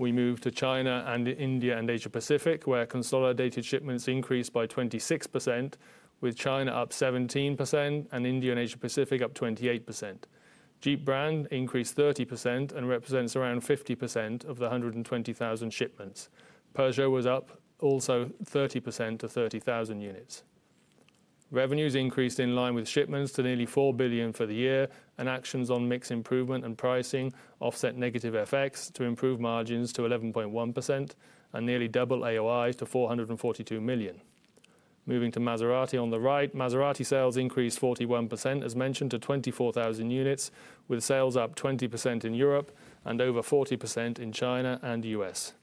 we move to China and India and Asia Pacific, where consolidated shipments increased by 26%, with China up 17% and India and Asia Pacific up 28%. Jeep brand increased 30% and represents around 50% of the 120,000 shipments. Peugeot was up also 30% to 30,000 units. Revenues increased in line with shipments to nearly 4 billion for the year, and actions on mix improvement and pricing offset negative FX to improve margins to 11.1% and nearly double AOIs to 442 million. Moving to Maserati on the right, Maserati sales increased 41%, as mentioned, to 24,000 units, with sales up 20% in Europe and over 40% in China and U.S.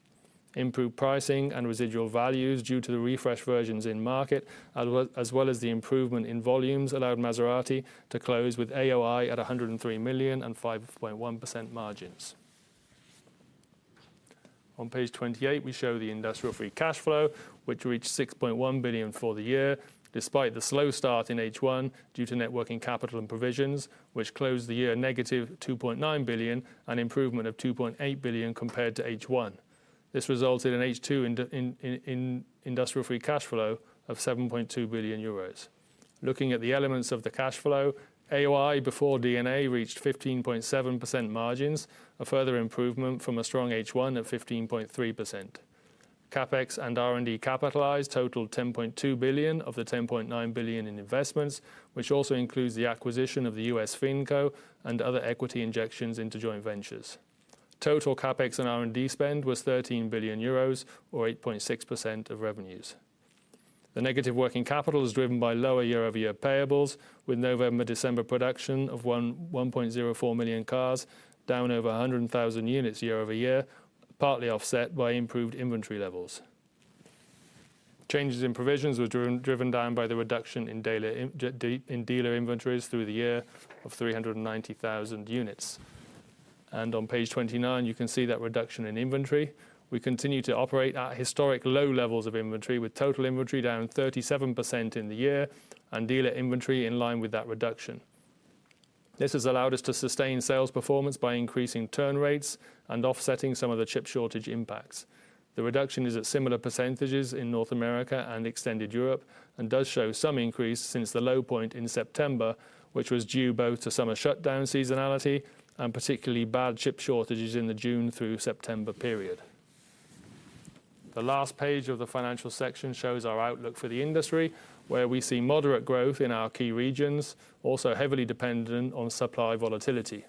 Improved pricing and residual values due to the refresh versions in market, as well as the improvement in volumes, allowed Maserati to close with AOI at 103 million and 5.1% margins. On Page 28, we show the industrial free cash flow, which reached 6.1 billion for the year, despite the slow start in H1 due to net working capital and provisions, which closed the year -2.9 billion, an improvement of 2.8 billion compared to H1. This resulted in H2 in industrial free cash flow of 7.2 billion euros. Looking at the elements of the cash flow, AOI before D&A reached 15.7% margins, a further improvement from a strong H1 of 15.3%. CapEx and R&D capitalized totaled 10.2 billion of the 10.9 billion in investments, which also includes the acquisition of the US Finco and other equity injections into joint ventures. Total CapEx and R&D spend was 13 billion euros or 8.6% of revenues. The negative working capital is driven by lower year-over-year payables, with November-December production of 1.04 million cars, down over 100,000 units year over year, partly offset by improved inventory levels. Changes in provisions were driven down by the reduction in dealer inventories through the year of 390,000 units. On Page 29, you can see that reduction in inventory. We continue to operate at historic low levels of inventory, with total inventory down 37% in the year and dealer inventory in line with that reduction. This has allowed us to sustain sales performance by increasing turn rates and offsetting some of the chip shortage impacts. The reduction is at similar percentages in North America and extended Europe, and does show some increase since the low point in September, which was due both to summer shutdown seasonality and particularly bad chip shortages in the June to September period. The last page of the financial section shows our outlook for the industry, where we see moderate growth in our key regions, also heavily dependent on supply volatility.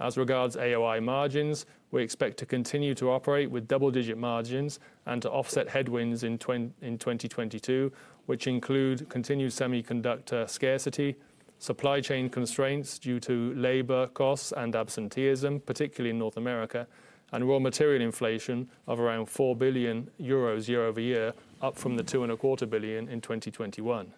As regards AOI margins, we expect to continue to operate with double-digit margins and to offset headwinds in 2022, which include continued semiconductor scarcity, supply chain constraints due to labor costs and absenteeism, particularly in North America, and raw material inflation of around 4 billion euros year-over-year, up from the 2.25 billion in 2021.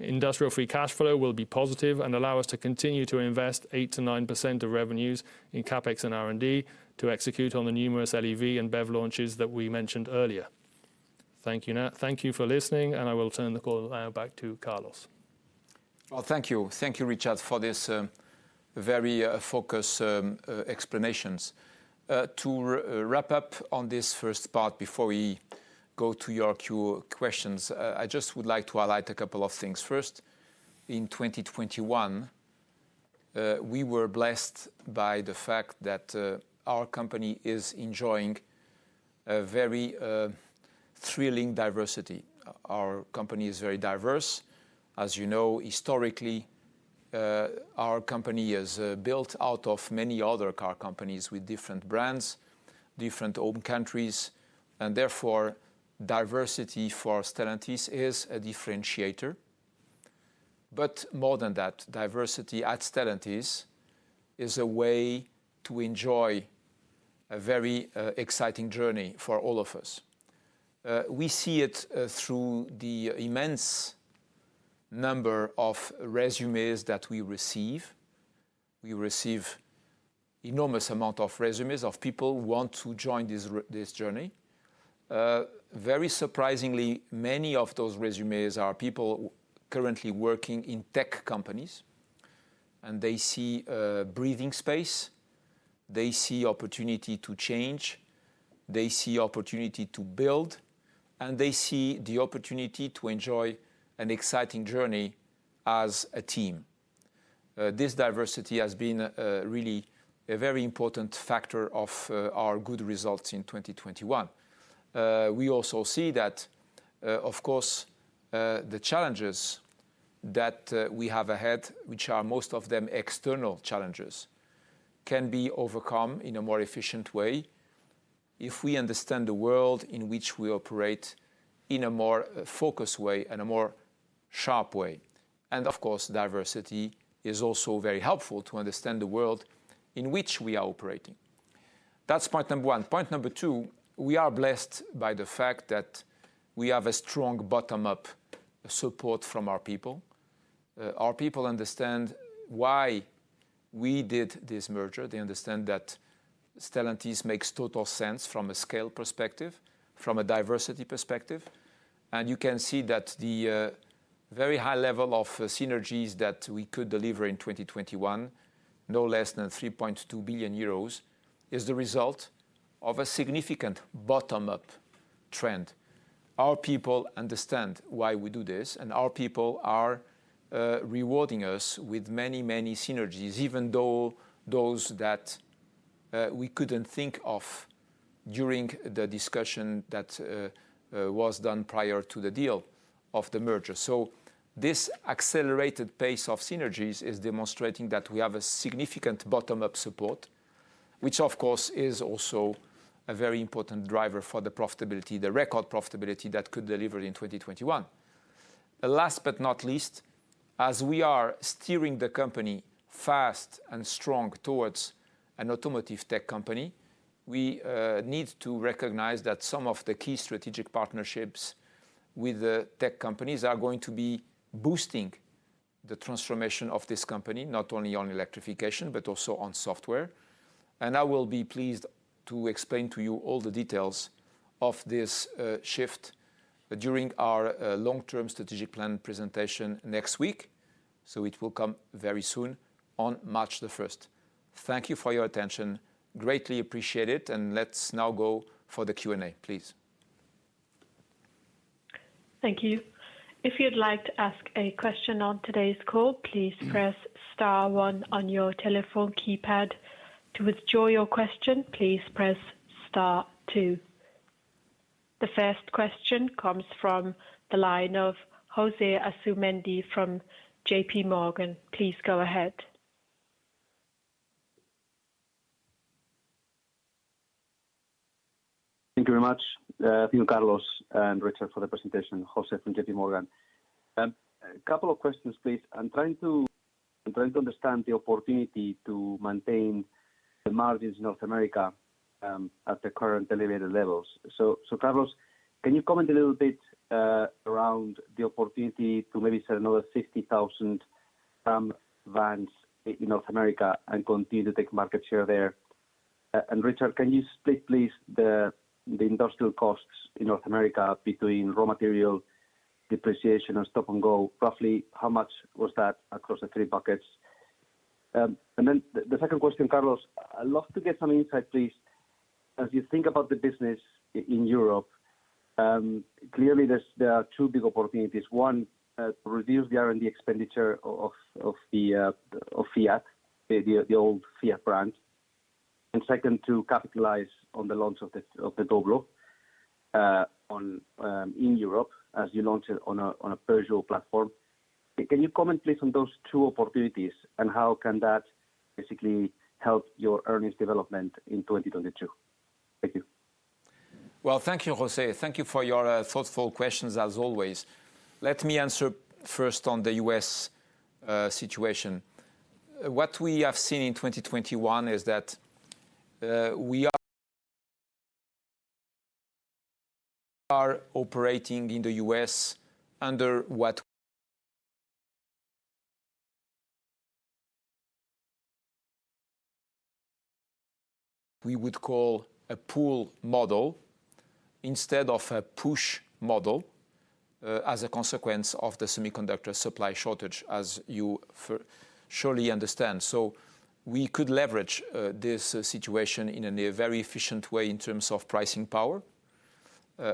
Industrial free cash flow will be positive and allow us to continue to invest 8%-9% of revenues in CapEx and R&D to execute on the numerous LEV and BEV launches that we mentioned earlier. Thank you. Thank you for listening, and I will turn the call now back to Carlos. Well, thank you. Thank you, Richard, for this very focused explanations. To wrap up on this first part before we go to your questions, I just would like to highlight a couple of things. First, in 2021, we were blessed by the fact that our company is enjoying a very thrilling diversity. Our company is very diverse. As you know, historically, our company is built out of many other car companies with different brands, different home countries, and therefore, diversity for Stellantis is a differentiator. But more than that, diversity at Stellantis is a way to enjoy a very exciting journey for all of us. We see it through the immense number of resumes that we receive. We receive enormous amount of resumes of people who want to join this journey. Very surprisingly, many of those resumes are people currently working in tech companies, and they see a breathing space, they see opportunity to change, they see opportunity to build, and they see the opportunity to enjoy an exciting journey as a team. This diversity has been really a very important factor of our good results in 2021. We also see that, of course, the challenges that we have ahead, which are most of them external challenges, can be overcome in a more efficient way if we understand the world in which we operate in a more focused way and a more sharp way. Of course, diversity is also very helpful to understand the world in which we are operating. That's point number one. Point number two, we are blessed by the fact that we have a strong bottom-up support from our people. Our people understand why we did this merger. They understand that Stellantis makes total sense from a scale perspective, from a diversity perspective. You can see that the very high level of synergies that we could deliver in 2021, no less than 3.2 billion euros, is the result of a significant bottom-up trend. Our people understand why we do this, and our people are rewarding us with many, many synergies, even though those that we couldn't think of during the discussion that was done prior to the deal of the merger. This accelerated pace of synergies is demonstrating that we have a significant bottom-up support. Which, of course, is also a very important driver for the profitability, the record profitability that could deliver in 2021. Last but not least, as we are steering the company fast and strong towards an automotive tech company, we need to recognize that some of the key strategic partnerships with the tech companies are going to be boosting the transformation of this company, not only on electrification, but also on software. I will be pleased to explain to you all the details of this shift during our long-term strategic plan presentation next week. It will come very soon on March 1st. Thank you for your attention. Greatly appreciate it, and let's now go for the Q&A, please. Thank you. If you'd like to ask a question on today's call, please press star one on your telephone keypad. To withdraw your question, please press star two. The first question comes from the line of José Asumendi from JPMorgan. Please go ahead. Thank you very much, Carlos and Richard, for the presentation. José from JPMorgan. A couple of questions, please. I'm trying to understand the opportunity to maintain the margins in North America at the current elevated levels. Carlos, can you comment a little bit around the opportunity to maybe sell another 50,000 vans in North America and continue to take market share there? And Richard, can you split, please, the industrial costs in North America between raw material depreciation and stop and go? Roughly, how much was that across the three buckets? And then the second question, Carlos, I'd love to get some insight, please. As you think about the business in Europe, clearly there are two big opportunities. One, reduce the R&D expenditure of the old Fiat brand. Second, to capitalize on the launch of the Doblò in Europe as you launch it on a Peugeot platform. Can you comment, please, on those two opportunities, and how can that basically help your earnings development in 2022? Thank you. Well, thank you, José. Thank you for your thoughtful questions as always. Let me answer first on the U.S. situation. What we have seen in 2021 is that we are operating in the U.S. under what we would call a pull model instead of a push model as a consequence of the semiconductor supply shortage, as you surely understand. We could leverage this situation in a very efficient way in terms of pricing power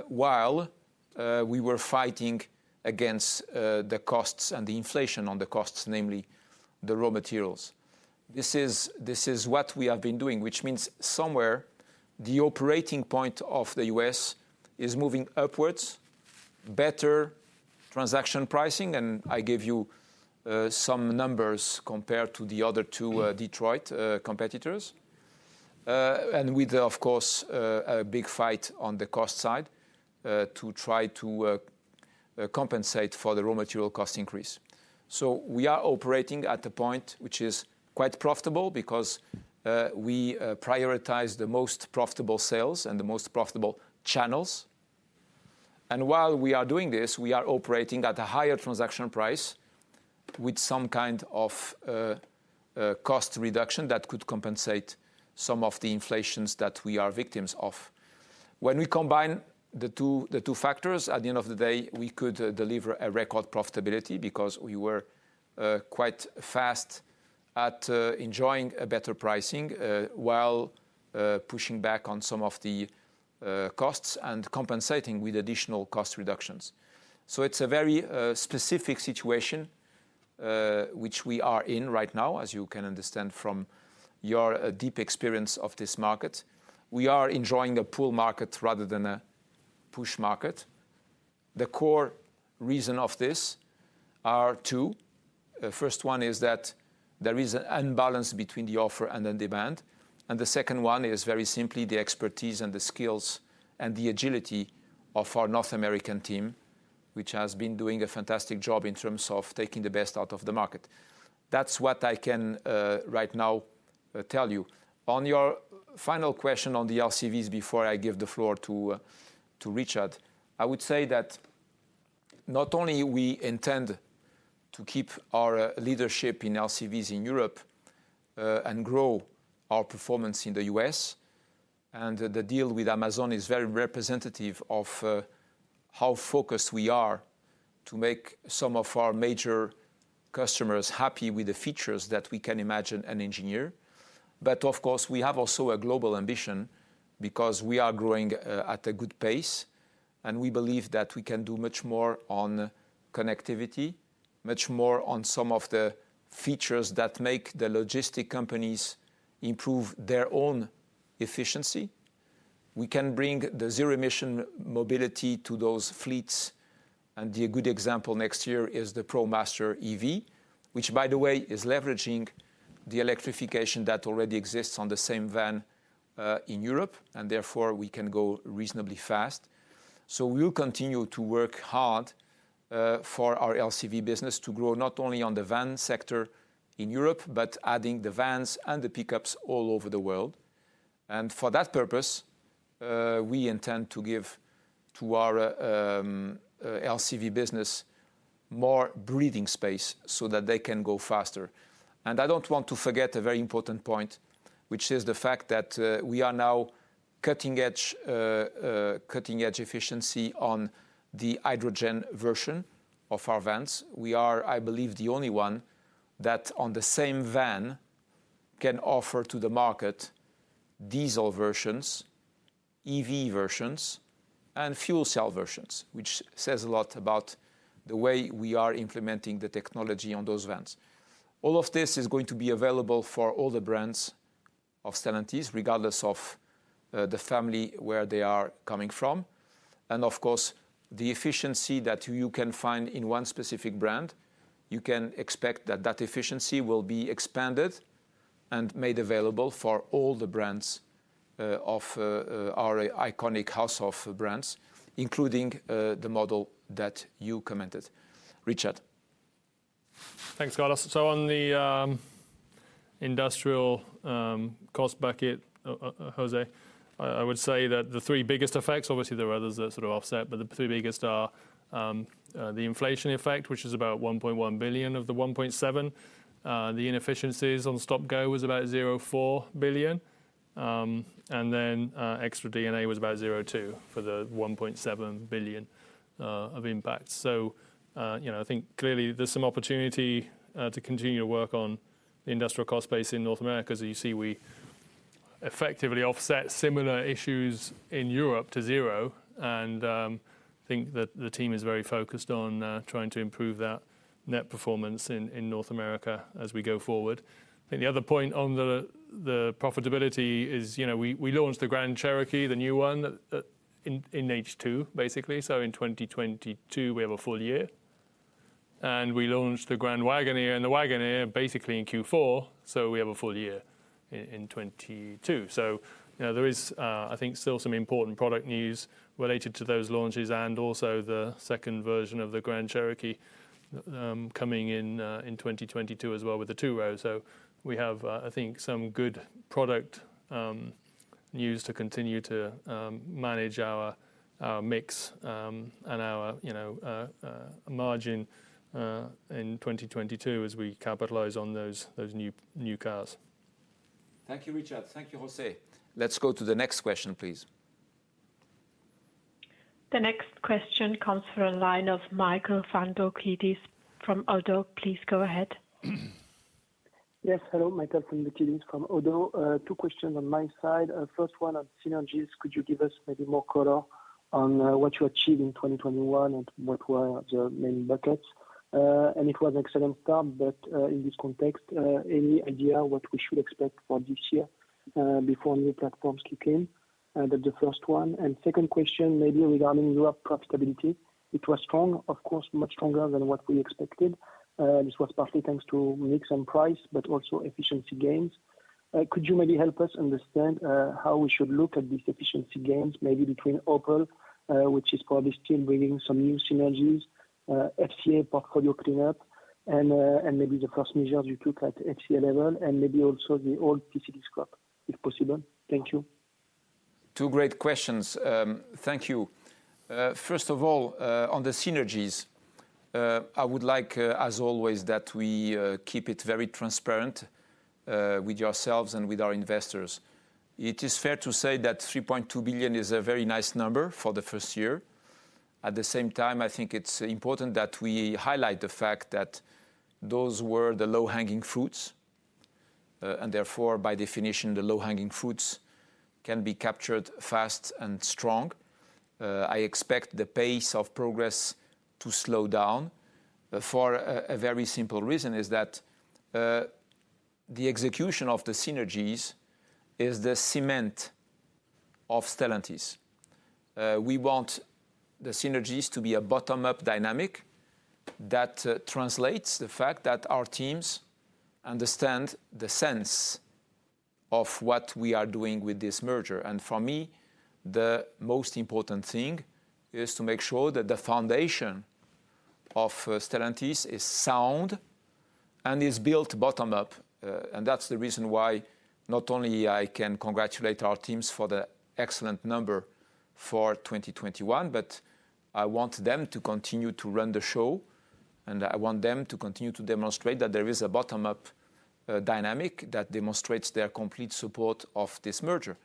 while we were fighting against the costs and the inflation on the costs, namely the raw materials. This is what we have been doing, which means somewhere the operating point of the U.S. is moving upwards, better transaction pricing, and I gave you some numbers compared to the other two Detroit competitors with, of course, a big fight on the cost side to try to compensate for the raw material cost increase. We are operating at a point which is quite profitable because we prioritize the most profitable sales and the most profitable channels. While we are doing this, we are operating at a higher transaction price with some kind of cost reduction that could compensate some of the inflation that we are victims of. When we combine the two factors, at the end of the day, we could deliver a record profitability because we were quite fast at enjoying a better pricing while pushing back on some of the costs and compensating with additional cost reductions. It's a very specific situation which we are in right now, as you can understand from your deep experience of this market. We are enjoying a pull market rather than a push market. The core reason of this are two. The first one is that there is an imbalance between the offer and the demand. The second one is very simply the expertise and the skills and the agility of our North American team, which has been doing a fantastic job in terms of taking the best out of the market. That's what I can right now tell you. On your final question on the LCVs before I give the floor to Richard, I would say that not only we intend to keep our leadership in LCVs in Europe, and grow our performance in the U.S., and the deal with Amazon is very representative of how focused we are to make some of our major customers happy with the features that we can imagine and engineer. Of course, we have also a global ambition because we are growing at a good pace, and we believe that we can do much more on connectivity, much more on some of the features that make the logistics companies improve their own efficiency. We can bring the zero-emission mobility to those fleets. The good example next year is the ProMaster EV, which by the way, is leveraging the electrification that already exists on the same van in Europe, and therefore we can go reasonably fast. We will continue to work hard for our LCV business to grow not only on the van sector in Europe, but adding the vans and the pickups all over the world. For that purpose, we intend to give to our LCV business more breathing space so that they can go faster. I don't want to forget a very important point, which is the fact that we are now cutting-edge efficiency on the hydrogen version of our vans. We are, I believe, the only one that on the same van can offer to the market diesel versions, EV versions, and fuel cell versions, which says a lot about the way we are implementing the technology on those vans. All of this is going to be available for all the brands of Stellantis, regardless of the family where they are coming from. Of course, the efficiency that you can find in one specific brand, you can expect that that efficiency will be expanded and made available for all the brands of our iconic house of brands, including the model that you commented. Richard. Thanks, Carlos. On the industrial cost bucket, José, I would say that the three biggest effects, obviously there are others that sort of offset, but the two biggest are the inflation effect, which is about 1.1 billion of the 1.7. The inefficiencies on stop-go was about 0.4 billion. And then, extra D&A was about 0.2 for the 1.7 billion of impact. You know, I think clearly there's some opportunity to continue to work on the industrial cost base in North America. As you see, we effectively offset similar issues in Europe to zero. Think that the team is very focused on trying to improve that net performance in North America as we go forward. I think the other point on the profitability is, you know, we launched the Grand Cherokee, the new one, in H2, basically. In 2022 we have a full year. We launched the Grand Wagoneer, and the Wagoneer basically in Q4, so we have a full year in 2022. You know, there is, I think still some important product news related to those launches and also the second version of the Grand Cherokee, coming in 2022 as well with the two rows. We have, I think some good product news to continue to manage our mix, and our, you know, margin in 2022 as we capitalize on those new cars. Thank you, Richard. Thank you, José. Let's go to the next question, please. The next question comes from the line of Michael Foundoukidis from ODDO. Please go ahead. Yes, hello. Michael Foundoukidis from ODDO. Two questions on my side. First one on synergies. Could you give us maybe more color on what you achieved in 2021 and what were the main buckets? It was an excellent start, but in this context, any idea what we should expect for this year before new platforms kick in? That's the first one. Second question maybe regarding Europe profitability. It was strong, of course, much stronger than what we expected. This was partly thanks to mix and price, but also efficiency gains. Could you maybe help us understand how we should look at these efficiency gains, maybe between Opel, which is probably still bringing some new synergies, FCA portfolio cleanup, and maybe the cost measures you took at FCA level, and maybe also the old PCD scope, if possible? Thank you. Two great questions. Thank you. First of all, on the synergies, I would like, as always, that we keep it very transparent, with yourselves and with our investors. It is fair to say that 3.2 billion is a very nice number for the first year. At the same time, I think it's important that we highlight the fact that those were the low-hanging fruits. Therefore, by definition, the low-hanging fruits can be captured fast and strong. I expect the pace of progress to slow down, for a very simple reason, is that, the execution of the synergies is the cement of Stellantis. We want the synergies to be a bottom-up dynamic that translates the fact that our teams understand the sense of what we are doing with this merger. For me, the most important thing is to make sure that the foundation of Stellantis is sound and is built bottom up. That's the reason why not only I can congratulate our teams for the excellent number for 2021, but I want them to continue to run the show, and I want them to continue to demonstrate that there is a bottom-up dynamic that demonstrates their complete support of this merger.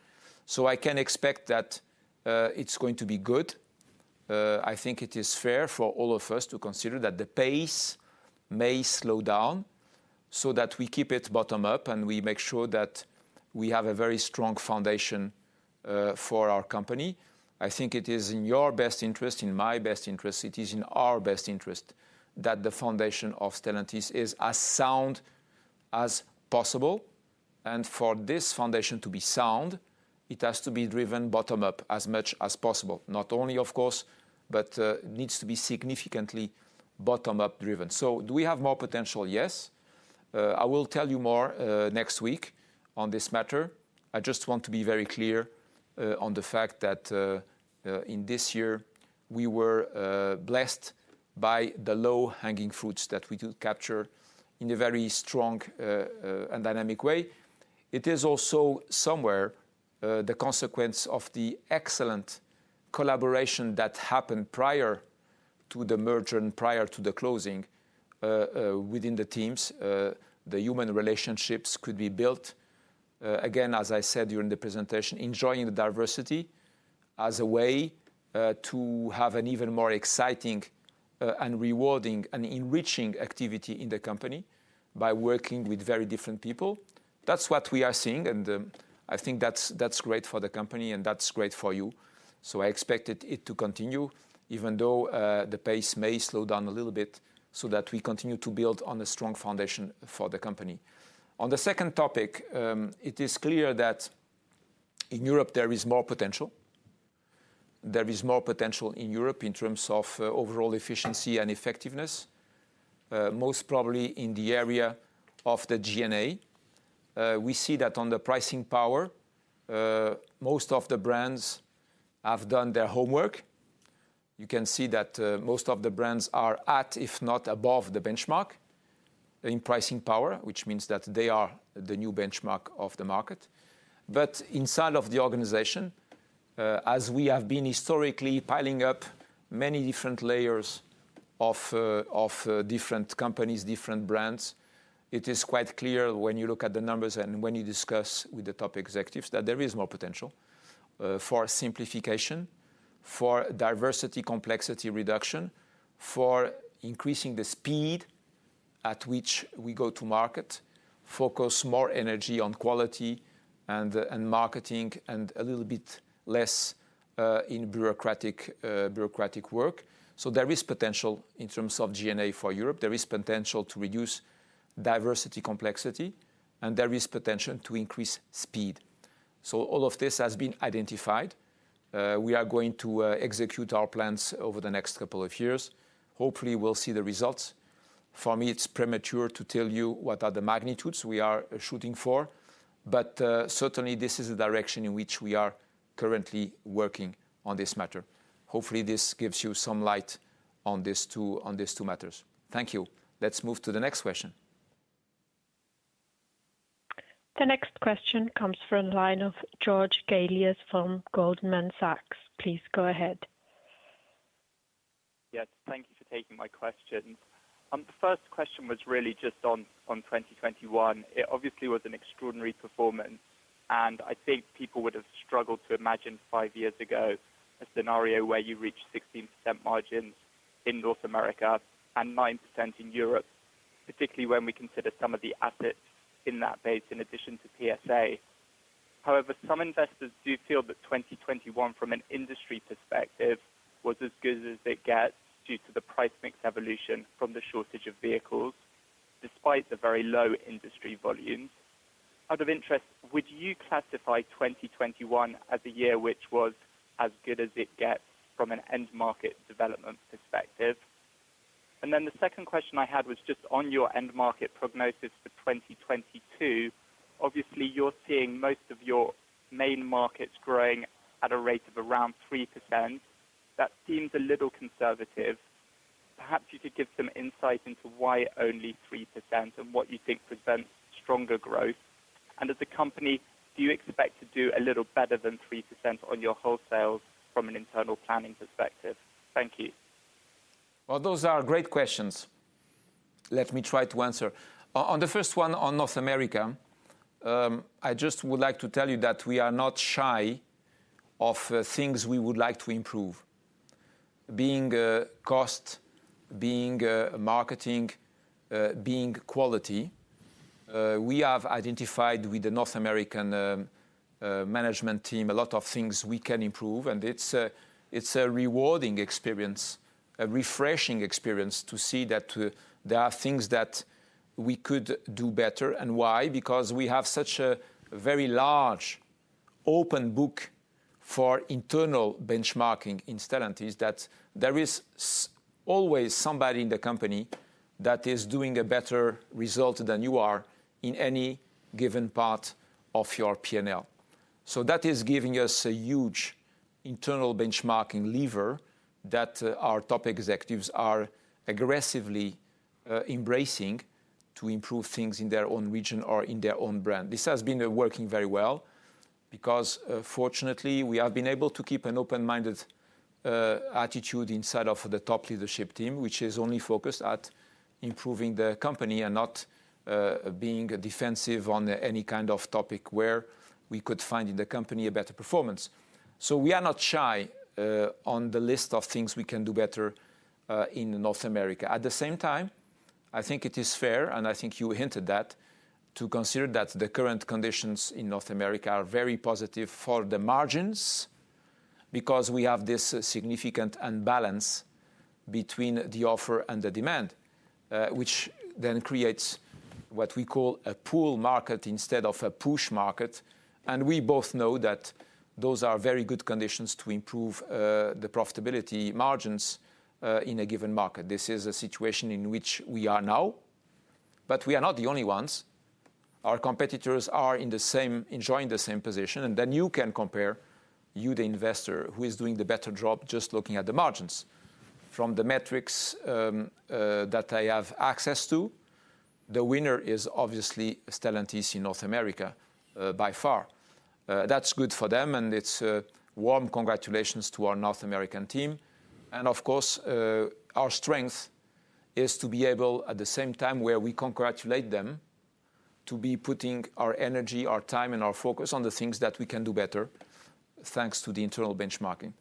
I can expect that it's going to be good. I think it is fair for all of us to consider that the pace may slow down so that we keep it bottom up, and we make sure that we have a very strong foundation for our company. I think it is in your best interest, in my best interest, it is in our best interest that the foundation of Stellantis is as sound as possible. For this foundation to be sound, it has to be driven bottom up as much as possible. Not only, of course, but needs to be significantly bottom up driven. Do we have more potential? Yes. I will tell you more next week on this matter. I just want to be very clear on the fact that in this year, we were blessed by the low-hanging fruits that we do capture in a very strong and dynamic way. It is also somewhere the consequence of the excellent collaboration that happened prior to the merger and prior to the closing within the teams. The human relationships could be built. Again, as I said during the presentation, enjoying the diversity as a way to have an even more exciting and rewarding and enriching activity in the company by working with very different people. That's what we are seeing, and I think that's great for the company and that's great for you. I expected it to continue even though the pace may slow down a little bit, so that we continue to build on a strong foundation for the company. On the second topic, it is clear that in Europe there is more potential. There is more potential in Europe in terms of overall efficiency and effectiveness, most probably in the area of the G&A. We see that on the pricing power, most of the brands have done their homework. You can see that most of the brands are at, if not above, the benchmark in pricing power, which means that they are the new benchmark of the market. Inside of the organization, as we have been historically piling up many different layers of different companies, different brands, it is quite clear when you look at the numbers and when you discuss with the top executives that there is more potential for simplification, for diversity complexity reduction, for increasing the speed at which we go to market, focus more energy on quality and marketing and a little bit less in bureaucratic work. There is potential in terms of G&A for Europe. There is potential to reduce diversity complexity, and there is potential to increase speed. All of this has been identified. We are going to execute our plans over the next couple of years. Hopefully, we'll see the results. For me, it's premature to tell you what are the magnitudes we are shooting for. Certainly this is the direction in which we are currently working on this matter. Hopefully, this gives you some light on these two matters. Thank you. Let's move to the next question. The next question comes from the line of George Galliers from Goldman Sachs. Please go ahead. Yes, thank you for taking my question. The first question was really just on 2021. It obviously was an extraordinary performance, and I think people would have struggled to imagine five years ago a scenario where you reached 16% margins in North America and 9% in Europe, particularly when we consider some of the assets in that base in addition to PSA. However, some investors do feel that 2021, from an industry perspective, was as good as it gets due to the price mix evolution from the shortage of vehicles, despite the very low industry volumes. Out of interest, would you classify 2021 as a year which was as good as it gets from an end market development perspective? The second question I had was just on your end market prognosis for 2022. Obviously, you're seeing most of your main markets growing at a rate of around 3%. That seems a little conservative. Perhaps you could give some insight into why only 3% and what you think prevents stronger growth. As a company, do you expect to do a little better than 3% on your wholesales from an internal planning perspective? Thank you. Well, those are great questions. Let me try to answer. On the first one on North America, I just would like to tell you that we are not shy of things we would like to improve. Being cost, being marketing, being quality. We have identified with the North American management team a lot of things we can improve, and it's a rewarding experience, a refreshing experience to see that there are things that we could do better. Why? Because we have such a very large open book for internal benchmarking in Stellantis that there is always somebody in the company that is doing a better result than you are in any given part of your P&L. That is giving us a huge internal benchmarking lever that our top executives are aggressively embracing to improve things in their own region or in their own brand. This has been working very well because, fortunately, we have been able to keep an open-minded attitude inside of the top leadership team, which is only focused at improving the company and not being defensive on any kind of topic where we could find in the company a better performance. We are not shy on the list of things we can do better in North America. At the same time, I think it is fair, and I think you hinted that, to consider that the current conditions in North America are very positive for the margins. Because we have this significant imbalance between the offer and the demand, which then creates what we call a pull market instead of a push market, and we both know that those are very good conditions to improve the profitability margins in a given market. This is a situation in which we are now, but we are not the only ones. Our competitors are in the same, enjoying the same position, and then you can compare, you the investor, who is doing the better job just looking at the margins. From the metrics that I have access to, the winner is obviously Stellantis in North America, by far. That's good for them, and it's warm congratulations to our North American team. Of course, our strength is to be able at the same time where we congratulate them to be putting our energy, our time, and our focus on the things that we can do better, thanks to the internal benchmarking.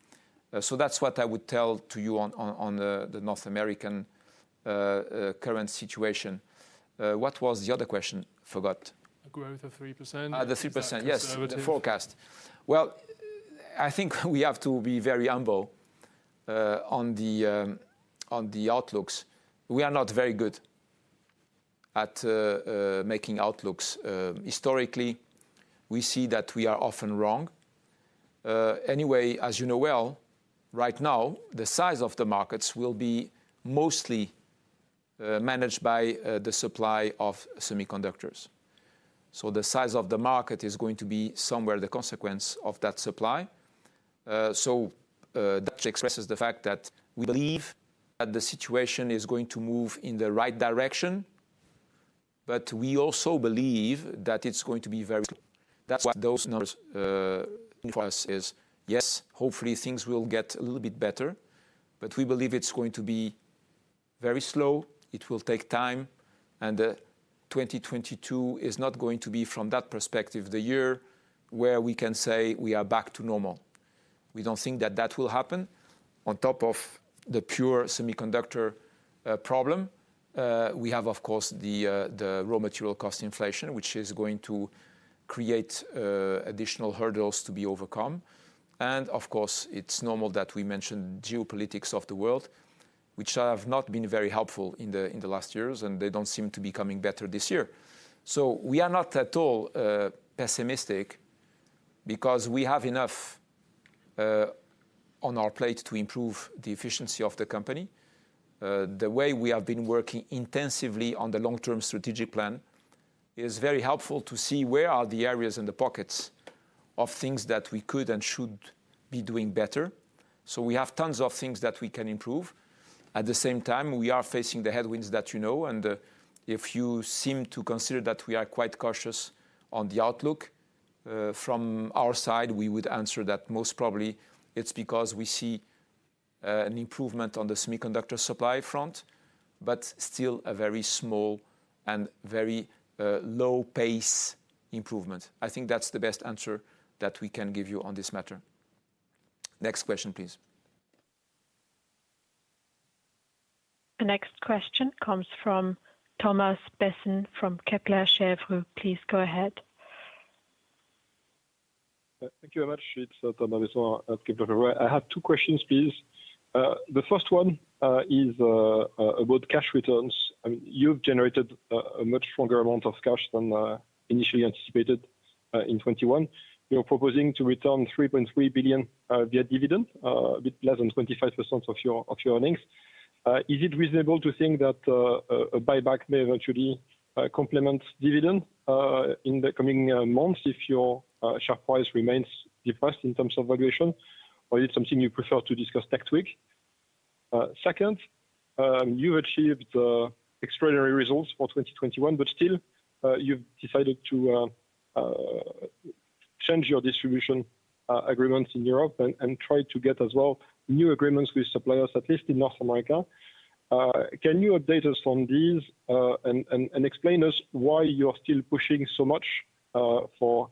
That's what I would tell to you on the North American current situation. What was the other question? I forgot. Growth of 3%. The 3%. Is that conservative? Yes, the forecast. Well, I think we have to be very humble on the outlooks. We are not very good at making outlooks. Historically, we see that we are often wrong. Anyway, as you know well, right now, the size of the markets will be mostly managed by the supply of semiconductors. The size of the market is going to be somewhere the consequence of that supply. That expresses the fact that we believe that the situation is going to move in the right direction, but we also believe that it's going to be very slow. That's what those numbers mean for us is, yes, hopefully things will get a little bit better, but we believe it's going to be very slow. It will take time, and 2022 is not going to be from that perspective the year where we can say we are back to normal. We don't think that that will happen. On top of the pure semiconductor problem, we have of course the raw material cost inflation, which is going to create additional hurdles to be overcome. Of course, it's normal that we mention geopolitics of the world, which have not been very helpful in the last years, and they don't seem to be becoming better this year. We are not at all pessimistic because we have enough on our plate to improve the efficiency of the company. The way we have been working intensively on the long-term strategic plan is very helpful to see where are the areas and the pockets of things that we could and should be doing better. We have tons of things that we can improve. At the same time, we are facing the headwinds that you know, if you seem to consider that we are quite cautious on the outlook, from our side, we would answer that most probably it's because we see an improvement on the semiconductor supply front, but still a very small and very low pace improvement. I think that's the best answer that we can give you on this matter. Next question, please. The next question comes from Thomas Besson from Kepler Cheuvreux. Please go ahead. Thank you very much. It's Thomas Besson at Kepler Cheuvreux. I have two questions, please. The first one is about cash returns. I mean, you've generated a much stronger amount of cash than initially anticipated in 2021. You're proposing to return 3.3 billion via dividend, a bit less than 25% of your earnings. Is it reasonable to think that a buyback may eventually complement dividend in the coming months if your share price remains depressed in terms of valuation? Or is it something you prefer to discuss next week? Second, you achieved extraordinary results for 2021, but still, you've decided to change your distribution agreements in Europe and try to get as well new agreements with suppliers, at least in North America. Can you update us on these and explain to us why you are still pushing so much for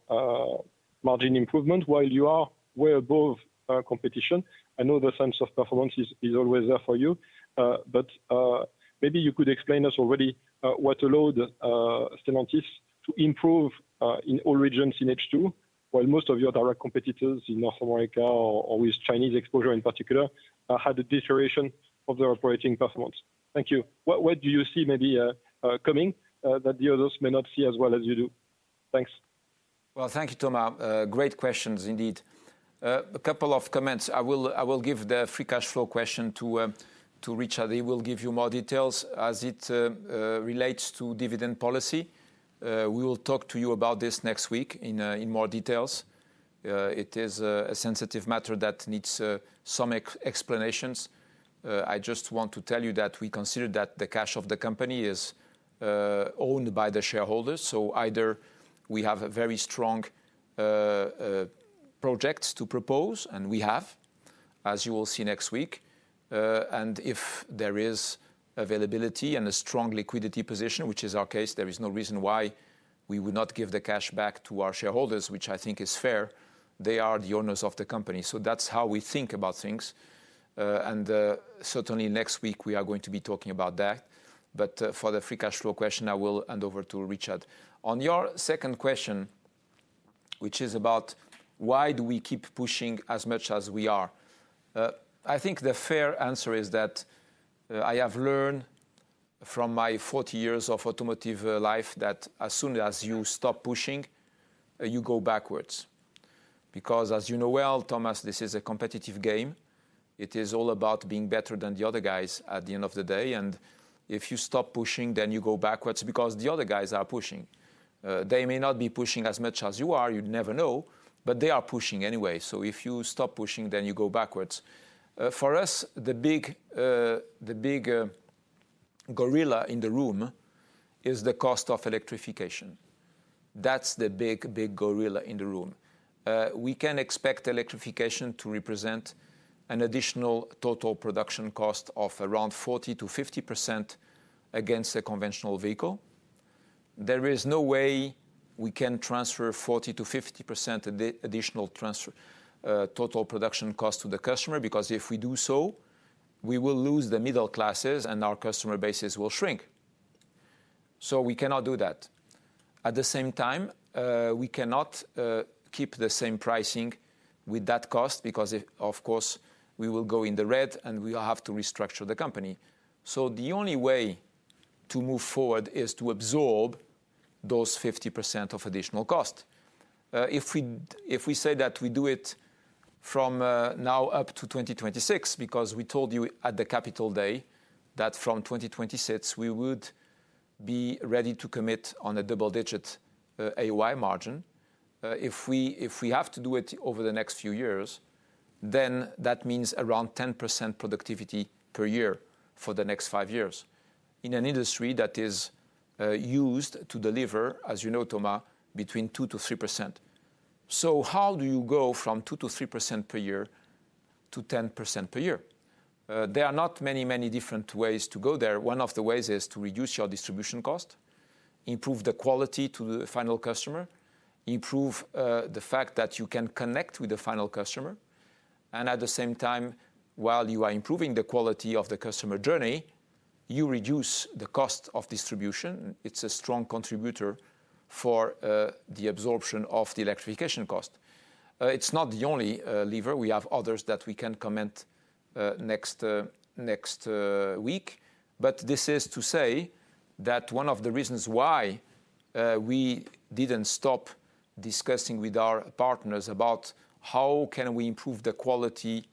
margin improvement while you are way above the competition? I know the sense of performance is always there for you. Maybe you could explain to us already what allowed Stellantis to improve in all regions in H2, while most of your direct competitors in North America or with Chinese exposure in particular had a deterioration of their operating performance. Thank you. What do you see maybe coming that the others may not see as well as you do? Thanks. Well, thank you, Thomas. Great questions indeed. A couple of comments. I will give the free cash flow question to Richard. He will give you more details as it relates to dividend policy. We will talk to you about this next week in more details. It is a sensitive matter that needs some explanations. I just want to tell you that we consider that the cash of the company is owned by the shareholders. Either we have a very strong project to propose, and we have, as you will see next week. If there is availability and a strong liquidity position, which is our case, there is no reason why we would not give the cash back to our shareholders, which I think is fair. They are the owners of the company. That's how we think about things. Certainly next week we are going to be talking about that. For the free cash flow question, I will hand over to Richard. On your second question, which is about why do we keep pushing as much as we are? I think the fair answer is that I have learned from my 40 years of automotive life that as soon as you stop pushing, you go backwards. Because as you know well, Thomas, this is a competitive game. It is all about being better than the other guys at the end of the day. If you stop pushing, then you go backwards because the other guys are pushing. They may not be pushing as much as you are, you never know, but they are pushing anyway. If you stop pushing, then you go backwards. For us, the big gorilla in the room is the cost of electrification. That's the big gorilla in the room. We can expect electrification to represent an additional total production cost of around 40% to 50% against a conventional vehicle. There is no way we can transfer 40% to 50% additional total production cost to the customer, because if we do so, we will lose the middle classes and our customer bases will shrink. We cannot do that. At the same time, we cannot keep the same pricing with that cost because of course, we will go in the red and we'll have to restructure the company. The only way to move forward is to absorb those 50% of additional cost. If we say that we do it from now up to 2026, because we told you at the Capital Day that from 2026 we would be ready to commit on a double-digit AOI margin. If we have to do it over the next few years, then that means around 10% productivity per year for the next five years. In an industry that is used to deliver, as you know, Thomas, between 2% to 3%. How do you go from 2% to 3% per year to 10% per year? There are not many different ways to go there. One of the ways is to reduce your distribution cost, improve the quality to the final customer, improve the fact that you can connect with the final customer. At the same time, while you are improving the quality of the customer journey, you reduce the cost of distribution. It's a strong contributor for the absorption of the electrification cost. It's not the only lever. We have others that we can comment next week. This is to say that one of the reasons why we didn't stop discussing with our partners about how can we improve the quality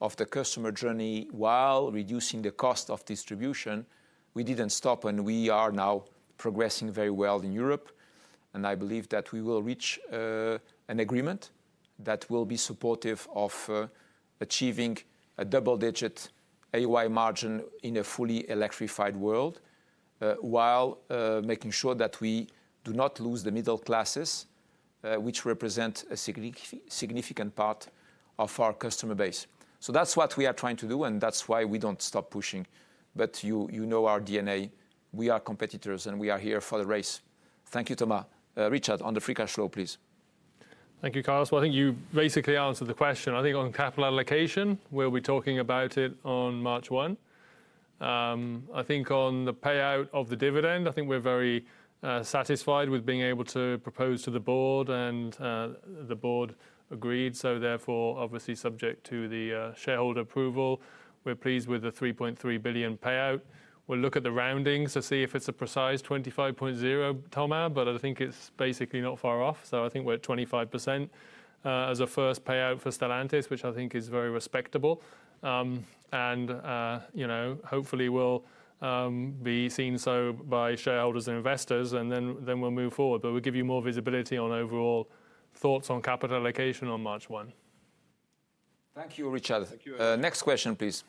of the customer journey while reducing the cost of distribution, we didn't stop, and we are now progressing very well in Europe. I believe that we will reach an agreement that will be supportive of achieving a double-digit AOI margin in a fully electrified world while making sure that we do not lose the middle classes which represent a significant part of our customer base. That's what we are trying to do, and that's why we don't stop pushing. You know our D&A. We are competitors, and we are here for the race. Thank you, Thomas. Richard, on the free cash flow, please. Thank you, Carlos. Well, I think you basically answered the question. I think on capital allocation, we'll be talking about it on March 1. I think on the payout of the dividend, I think we're very satisfied with being able to propose to the board, and the board agreed. Therefore, obviously subject to the shareholder approval, we're pleased with the 3.3 billion payout. We'll look at the rounding to see if it's a precise 25.0, Thomas, but I think it's basically not far off. I think we're at 25% as a first payout for Stellantis, which I think is very respectable. You know, hopefully will be seen so by shareholders and investors, and then we'll move forward. We'll give you more visibility on overall thoughts on capital allocation on March 1. Thank you, Richard. Thank you. Next question, please.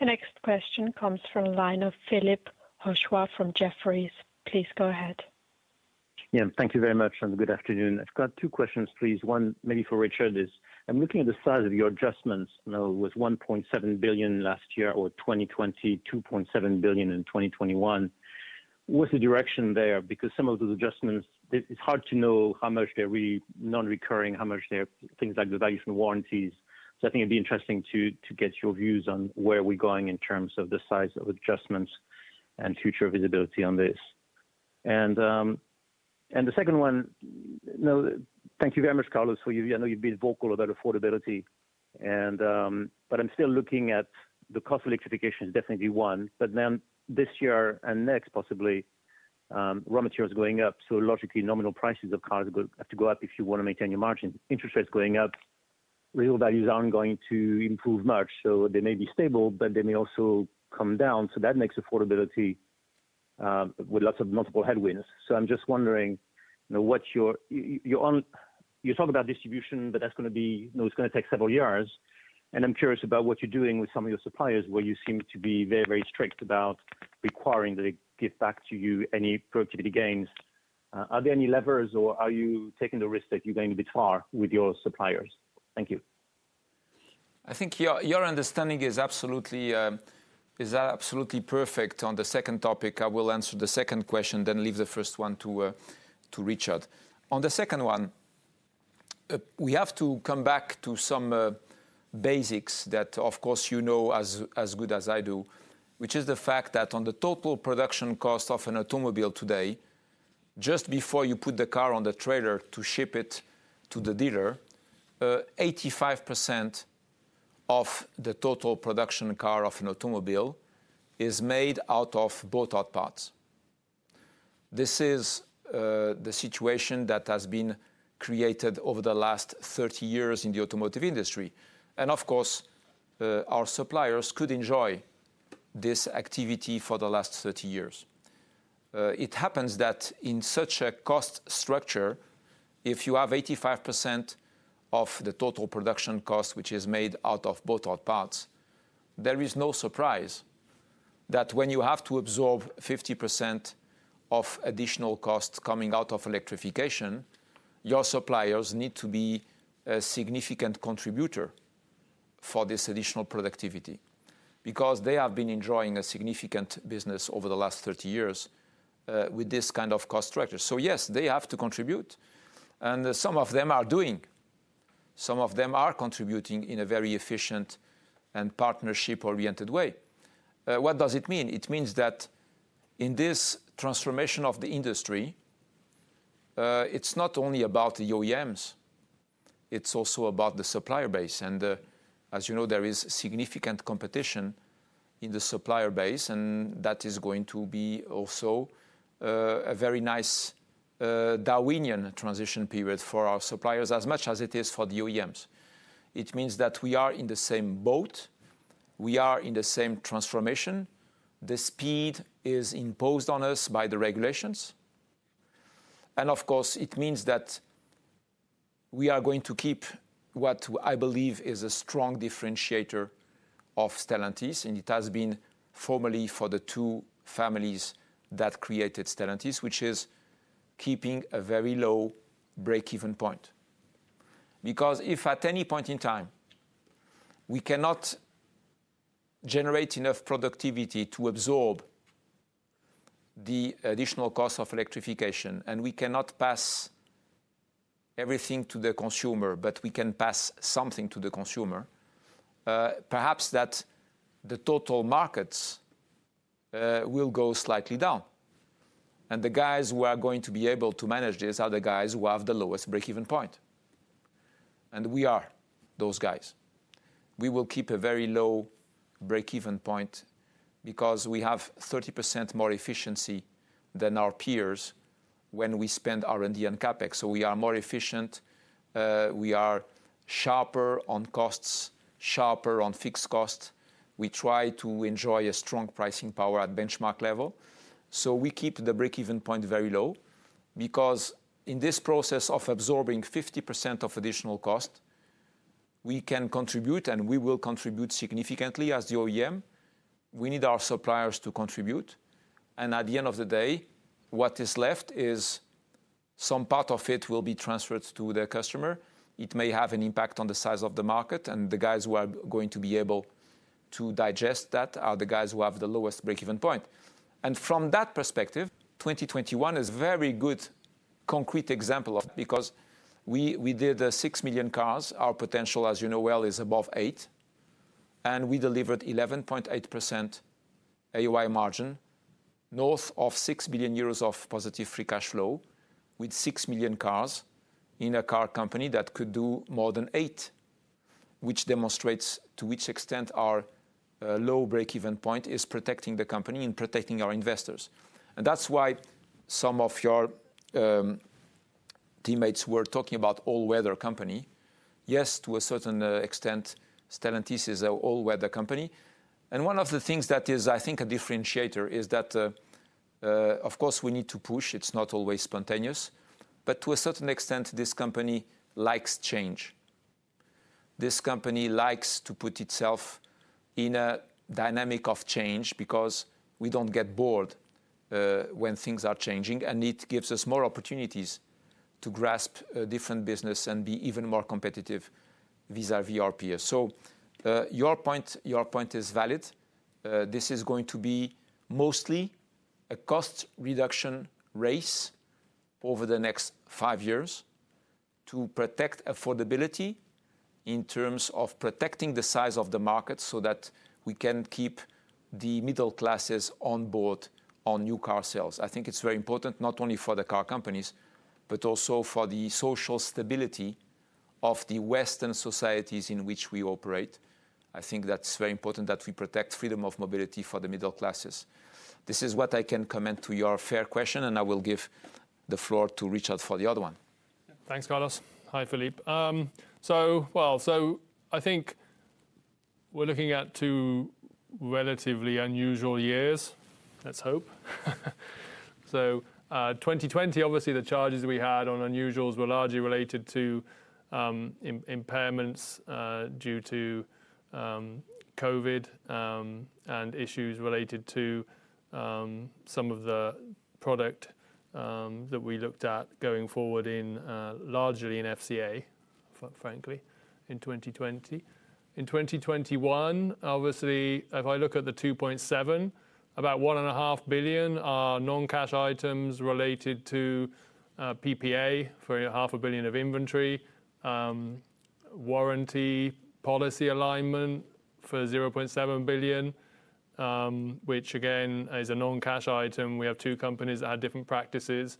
The next question comes from the line of Philippe Houchois from Jefferies. Please go ahead. Thank you very much, and good afternoon. I've got two questions, please. One maybe for Richard is, I'm looking at the size of your adjustments now with 1.7 billion last year or 2020, 2.7 billion in 2021. What's the direction there? Because some of those adjustments, it's hard to know how much they're really non-recurring, how much they're things like the valuation warranties. I think it'd be interesting to get your views on where we're going in terms of the size of adjustments and future visibility on this. The second one, thank you very much, Carlos, for you. I know you've been vocal about affordability and but I'm still looking at the cost of electrification is definitely one. This year and next, possibly, raw materials are going up, logically, nominal prices of cars have to go up if you wanna maintain your margin. Interest rates going up, real values aren't going to improve much. They may be stable, but they may also come down. That makes affordability with lots of multiple headwinds. I'm just wondering, you know, you talk about distribution, but that's gonna be, you know, it's gonna take several years, and I'm curious about what you're doing with some of your suppliers, where you seem to be very, very strict about requiring that they give back to you any productivity gains. Are there any levers, or are you taking the risk that you're going a bit far with your suppliers? Thank you. I think your understanding is absolutely perfect on the second topic. I will answer the second question, then leave the first one to Richard. On the second one, we have to come back to some basics that of course you know as good as I do, which is the fact that on the total production cost of an automobile today, just before you put the car on the trailer to ship it to the dealer, 85% of the total production cost of an automobile is made out of bought out parts. This is the situation that has been created over the last 30 years in the automotive industry. Of course, our suppliers could enjoy this activity for the last 30 years. It happens that in such a cost structure, if you have 85% of the total production cost, which is made out of bought out parts, there is no surprise that when you have to absorb 50% of additional costs coming out of electrification, your suppliers need to be a significant contributor for this additional productivity, because they have been enjoying a significant business over the last 30 years with this kind of cost structure. Yes, they have to contribute, and some of them are contributing in a very efficient and partnership-oriented way. What does it mean? It means that in this transformation of the industry, it's not only about the OEMs, it's also about the supplier base. As you know, there is significant competition in the supplier base, and that is going to be also a very nice Darwinian transition period for our suppliers as much as it is for the OEMs. It means that we are in the same boat. We are in the same transformation. The speed is imposed on us by the regulations. Of course, it means that we are going to keep what I believe is a strong differentiator of Stellantis, and it has been formerly for the two families that created Stellantis, which is keeping a very low breakeven point. Because if at any point in time we cannot generate enough productivity to absorb the additional cost of electrification, and we cannot pass everything to the consumer, but we can pass something to the consumer, perhaps that the total markets will go slightly down. The guys who are going to be able to manage this are the guys who have the lowest breakeven point, and we are those guys. We will keep a very low breakeven point because we have 30% more efficiency than our peers when we spend R&D and CapEx. We are more efficient. We are sharper on costs, sharper on fixed costs. We try to enjoy a strong pricing power at benchmark level. We keep the breakeven point very low because in this process of absorbing 50% of additional cost, we can contribute, and we will contribute significantly as the OEM. We need our suppliers to contribute. At the end of the day, what is left is some part of it will be transferred to their customer. It may have an impact on the size of the market, and the guys who are going to be able to digest that are the guys who have the lowest breakeven point. From that perspective, 2021 is very good concrete example of that because we did 6 million cars. Our potential, as you know well, is above eight, and we delivered 11.8% AOI margin, north of 6 billion euros of positive free cash flow with 6 million cars in a car company that could do more than eight, which demonstrates to which extent our low breakeven point is protecting the company and protecting our investors. That's why some of your teammates were talking about all-weather company. Yes, to a certain extent, Stellantis is an all-weather company. One of the things that is, I think, a differentiator is that, of course, we need to push. It's not always spontaneous. To a certain extent, this company likes change. This company likes to put itself in a dynamic of change because we don't get bored, when things are changing, and it gives us more opportunities to grasp a different business and be even more competitive vis-à-vis our peers. Your point is valid. This is going to be mostly a cost reduction race over the next five years to protect affordability in terms of protecting the size of the market, so that we can keep the middle classes on board on new car sales. I think it's very important not only for the car companies, but also for the social stability of the Western societies in which we operate. I think that's very important that we protect freedom of mobility for the middle classes. This is what I can comment to your fair question, and I will give the floor to Richard for the other one. Thanks, Carlos. Hi, Philippe. I think we're looking at two relatively unusual years. Let's hope. 2020, obviously, the charges we had on unusuals were largely related to impairments due to COVID and issues related to some of the product that we looked at going forward in, largely in FCA, frankly, in 2020. In 2021, obviously, if I look at the 2.7, about 1.5 billion are non-cash items related to PPA for 0.5 billion of inventory, warranty policy alignment for 0.7 billion, which again is a non-cash item. We have two companies that have different practices,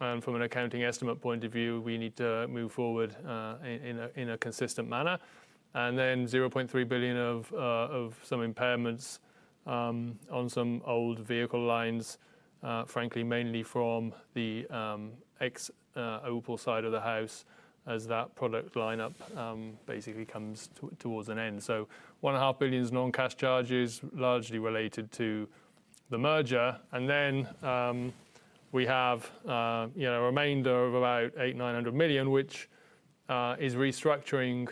and from an accounting estimate point of view, we need to move forward in a consistent manner. 0.3 billion of some impairments on some old vehicle lines, frankly, mainly from the ex-Opel side of the house as that product lineup basically comes towards an end. 1.5 billion is non-cash charges, largely related to the merger. We have, you know, a remainder of about 800 to 900 million, which is restructuring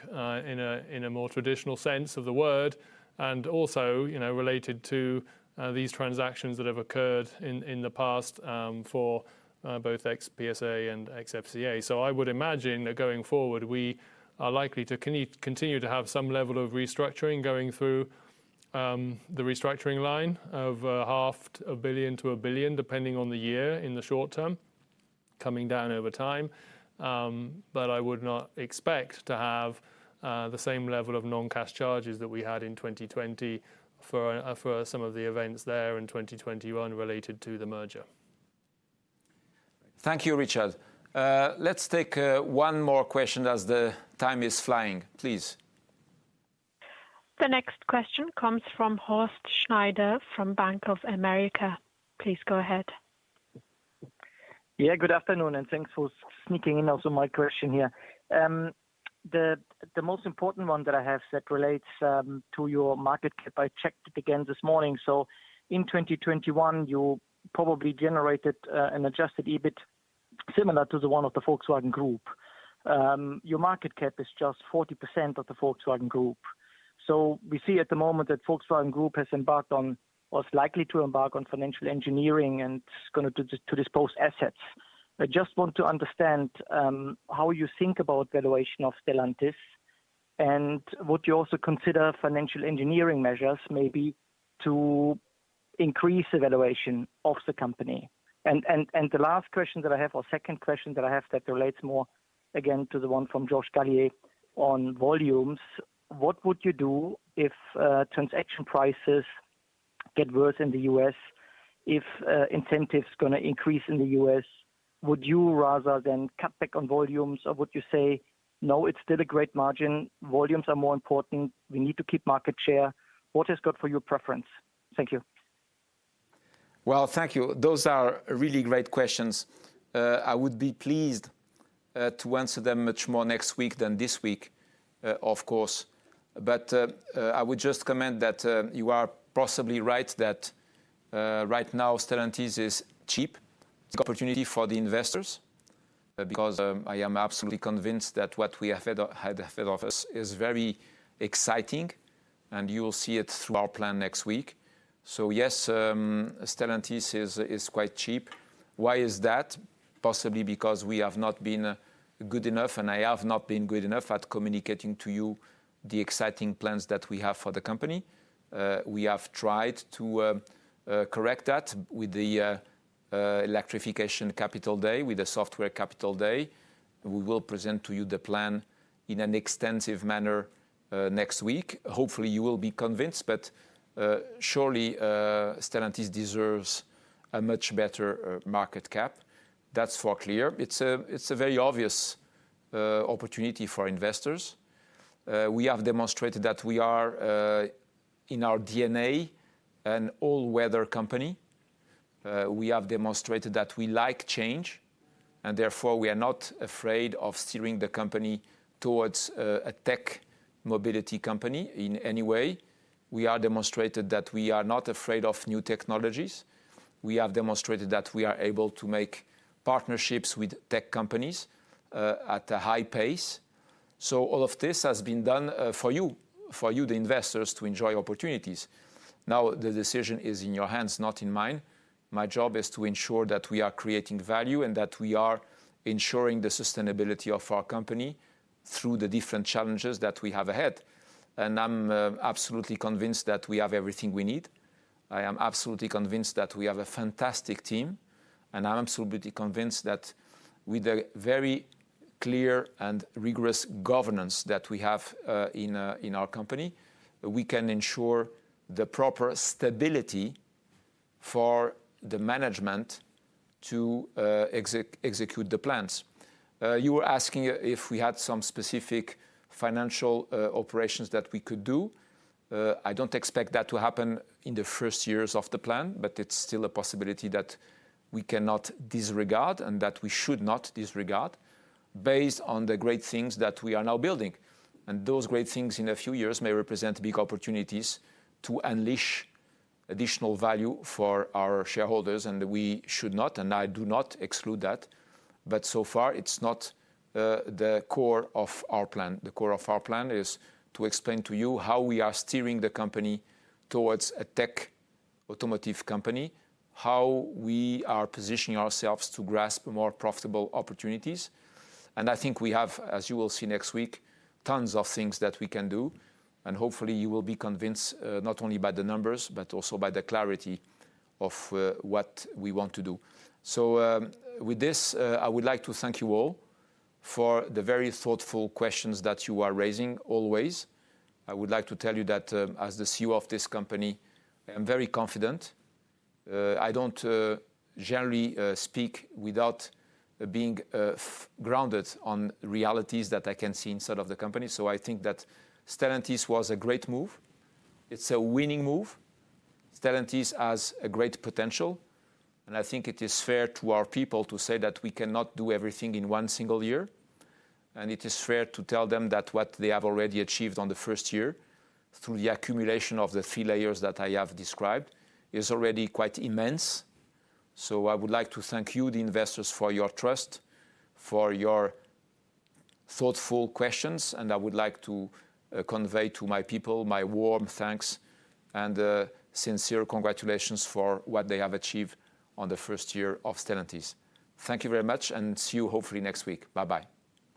in a more traditional sense of the word, and also, you know, related to these transactions that have occurred in the past for both ex-PSA and ex-FCA. I would imagine that going forward, we are likely to continue to have some level of restructuring going through the restructuring line of 0.5 billion-1 billion, depending on the year in the short term, coming down over time. I would not expect to have the same level of non-cash charges that we had in 2020 for some of the events there in 2021 related to the merger. Thank you, Richard. Let's take one more question as the time is flying. Please. The next question comes from Horst Schneider from Bank of America. Please go ahead. Good afternoon, and thanks for sneaking in also my question here. The most important one that I have that relates to your market cap. I checked it again this morning. In 2021, you probably generated an adjusted EBIT similar to the one of the Volkswagen Group. Your market cap is just 40% of the Volkswagen Group. We see at the moment that Volkswagen Group has embarked on or is likely to embark on financial engineering and is gonna to dispose assets. I just want to understand how you think about valuation of Stellantis and would you also consider financial engineering measures maybe to increase the valuation of the company? The last question that I have, or second question that I have that relates more again to the one from George Galliers on volumes, what would you do if transaction prices get worse in the U.S., if incentives gonna increase in the U.S., would you rather then cut back on volumes or would you say, "No, it's still a great margin. Volumes are more important. We need to keep market share"? What is your preference? Thank you. Well, thank you. Those are really great questions. I would be pleased to answer them much more next week than this week, of course. I would just comment that you are possibly right that right now Stellantis is cheap. It's a good opportunity for the investors because I am absolutely convinced that what we have had offered is very exciting, and you will see it through our plan next week. Yes, Stellantis is quite cheap. Why is that? Possibly because we have not been good enough, and I have not been good enough at communicating to you the exciting plans that we have for the company. We have tried to correct that with the Electrification Capital Day, with the Software Capital Day. We will present to you the plan in an extensive manner next week. Hopefully, you will be convinced, but surely Stellantis deserves a much better market cap. That's for sure. It's a very obvious opportunity for investors. We have demonstrated that we are in our DNA an all-weather company. We have demonstrated that we like change, and therefore we are not afraid of steering the company towards a tech mobility company in any way. We have demonstrated that we are not afraid of new technologies. We have demonstrated that we are able to make partnerships with tech companies at a high pace. All of this has been done for you the investors to enjoy opportunities. Now, the decision is in your hands, not in mine. My job is to ensure that we are creating value and that we are ensuring the sustainability of our company through the different challenges that we have ahead. I'm absolutely convinced that we have everything we need. I am absolutely convinced that we have a fantastic team, and I'm absolutely convinced that with the very clear and rigorous governance that we have in our company, we can ensure the proper stability for the management to execute the plans. You were asking if we had some specific financial operations that we could do. I don't expect that to happen in the first years of the plan, but it's still a possibility that we cannot disregard and that we should not disregard based on the great things that we are now building. Those great things in a few years may represent big opportunities to unleash additional value for our shareholders, and we should not, and I do not exclude that. So far, it's not the core of our plan. The core of our plan is to explain to you how we are steering the company towards a tech automotive company, how we are positioning ourselves to grasp more profitable opportunities. I think we have, as you will see next week, tons of things that we can do, and hopefully, you will be convinced not only by the numbers, but also by the clarity of what we want to do. With this, I would like to thank you all for the very thoughtful questions that you are raising always. I would like to tell you that, as the CEO of this company, I'm very confident. I don't generally speak without being well-grounded on realities that I can see inside of the company. I think that Stellantis was a great move. It's a winning move. Stellantis has a great potential, and I think it is fair to our people to say that we cannot do everything in one single year. It is fair to tell them that what they have already achieved on the first year through the accumulation of the three layers that I have described is already quite immense. I would like to thank you, the investors, for your trust, for your thoughtful questions, and I would like to convey to my people my warm thanks and sincere congratulations for what they have achieved on the first year of Stellantis. Thank you very much, and see you hopefully next week. Bye-bye.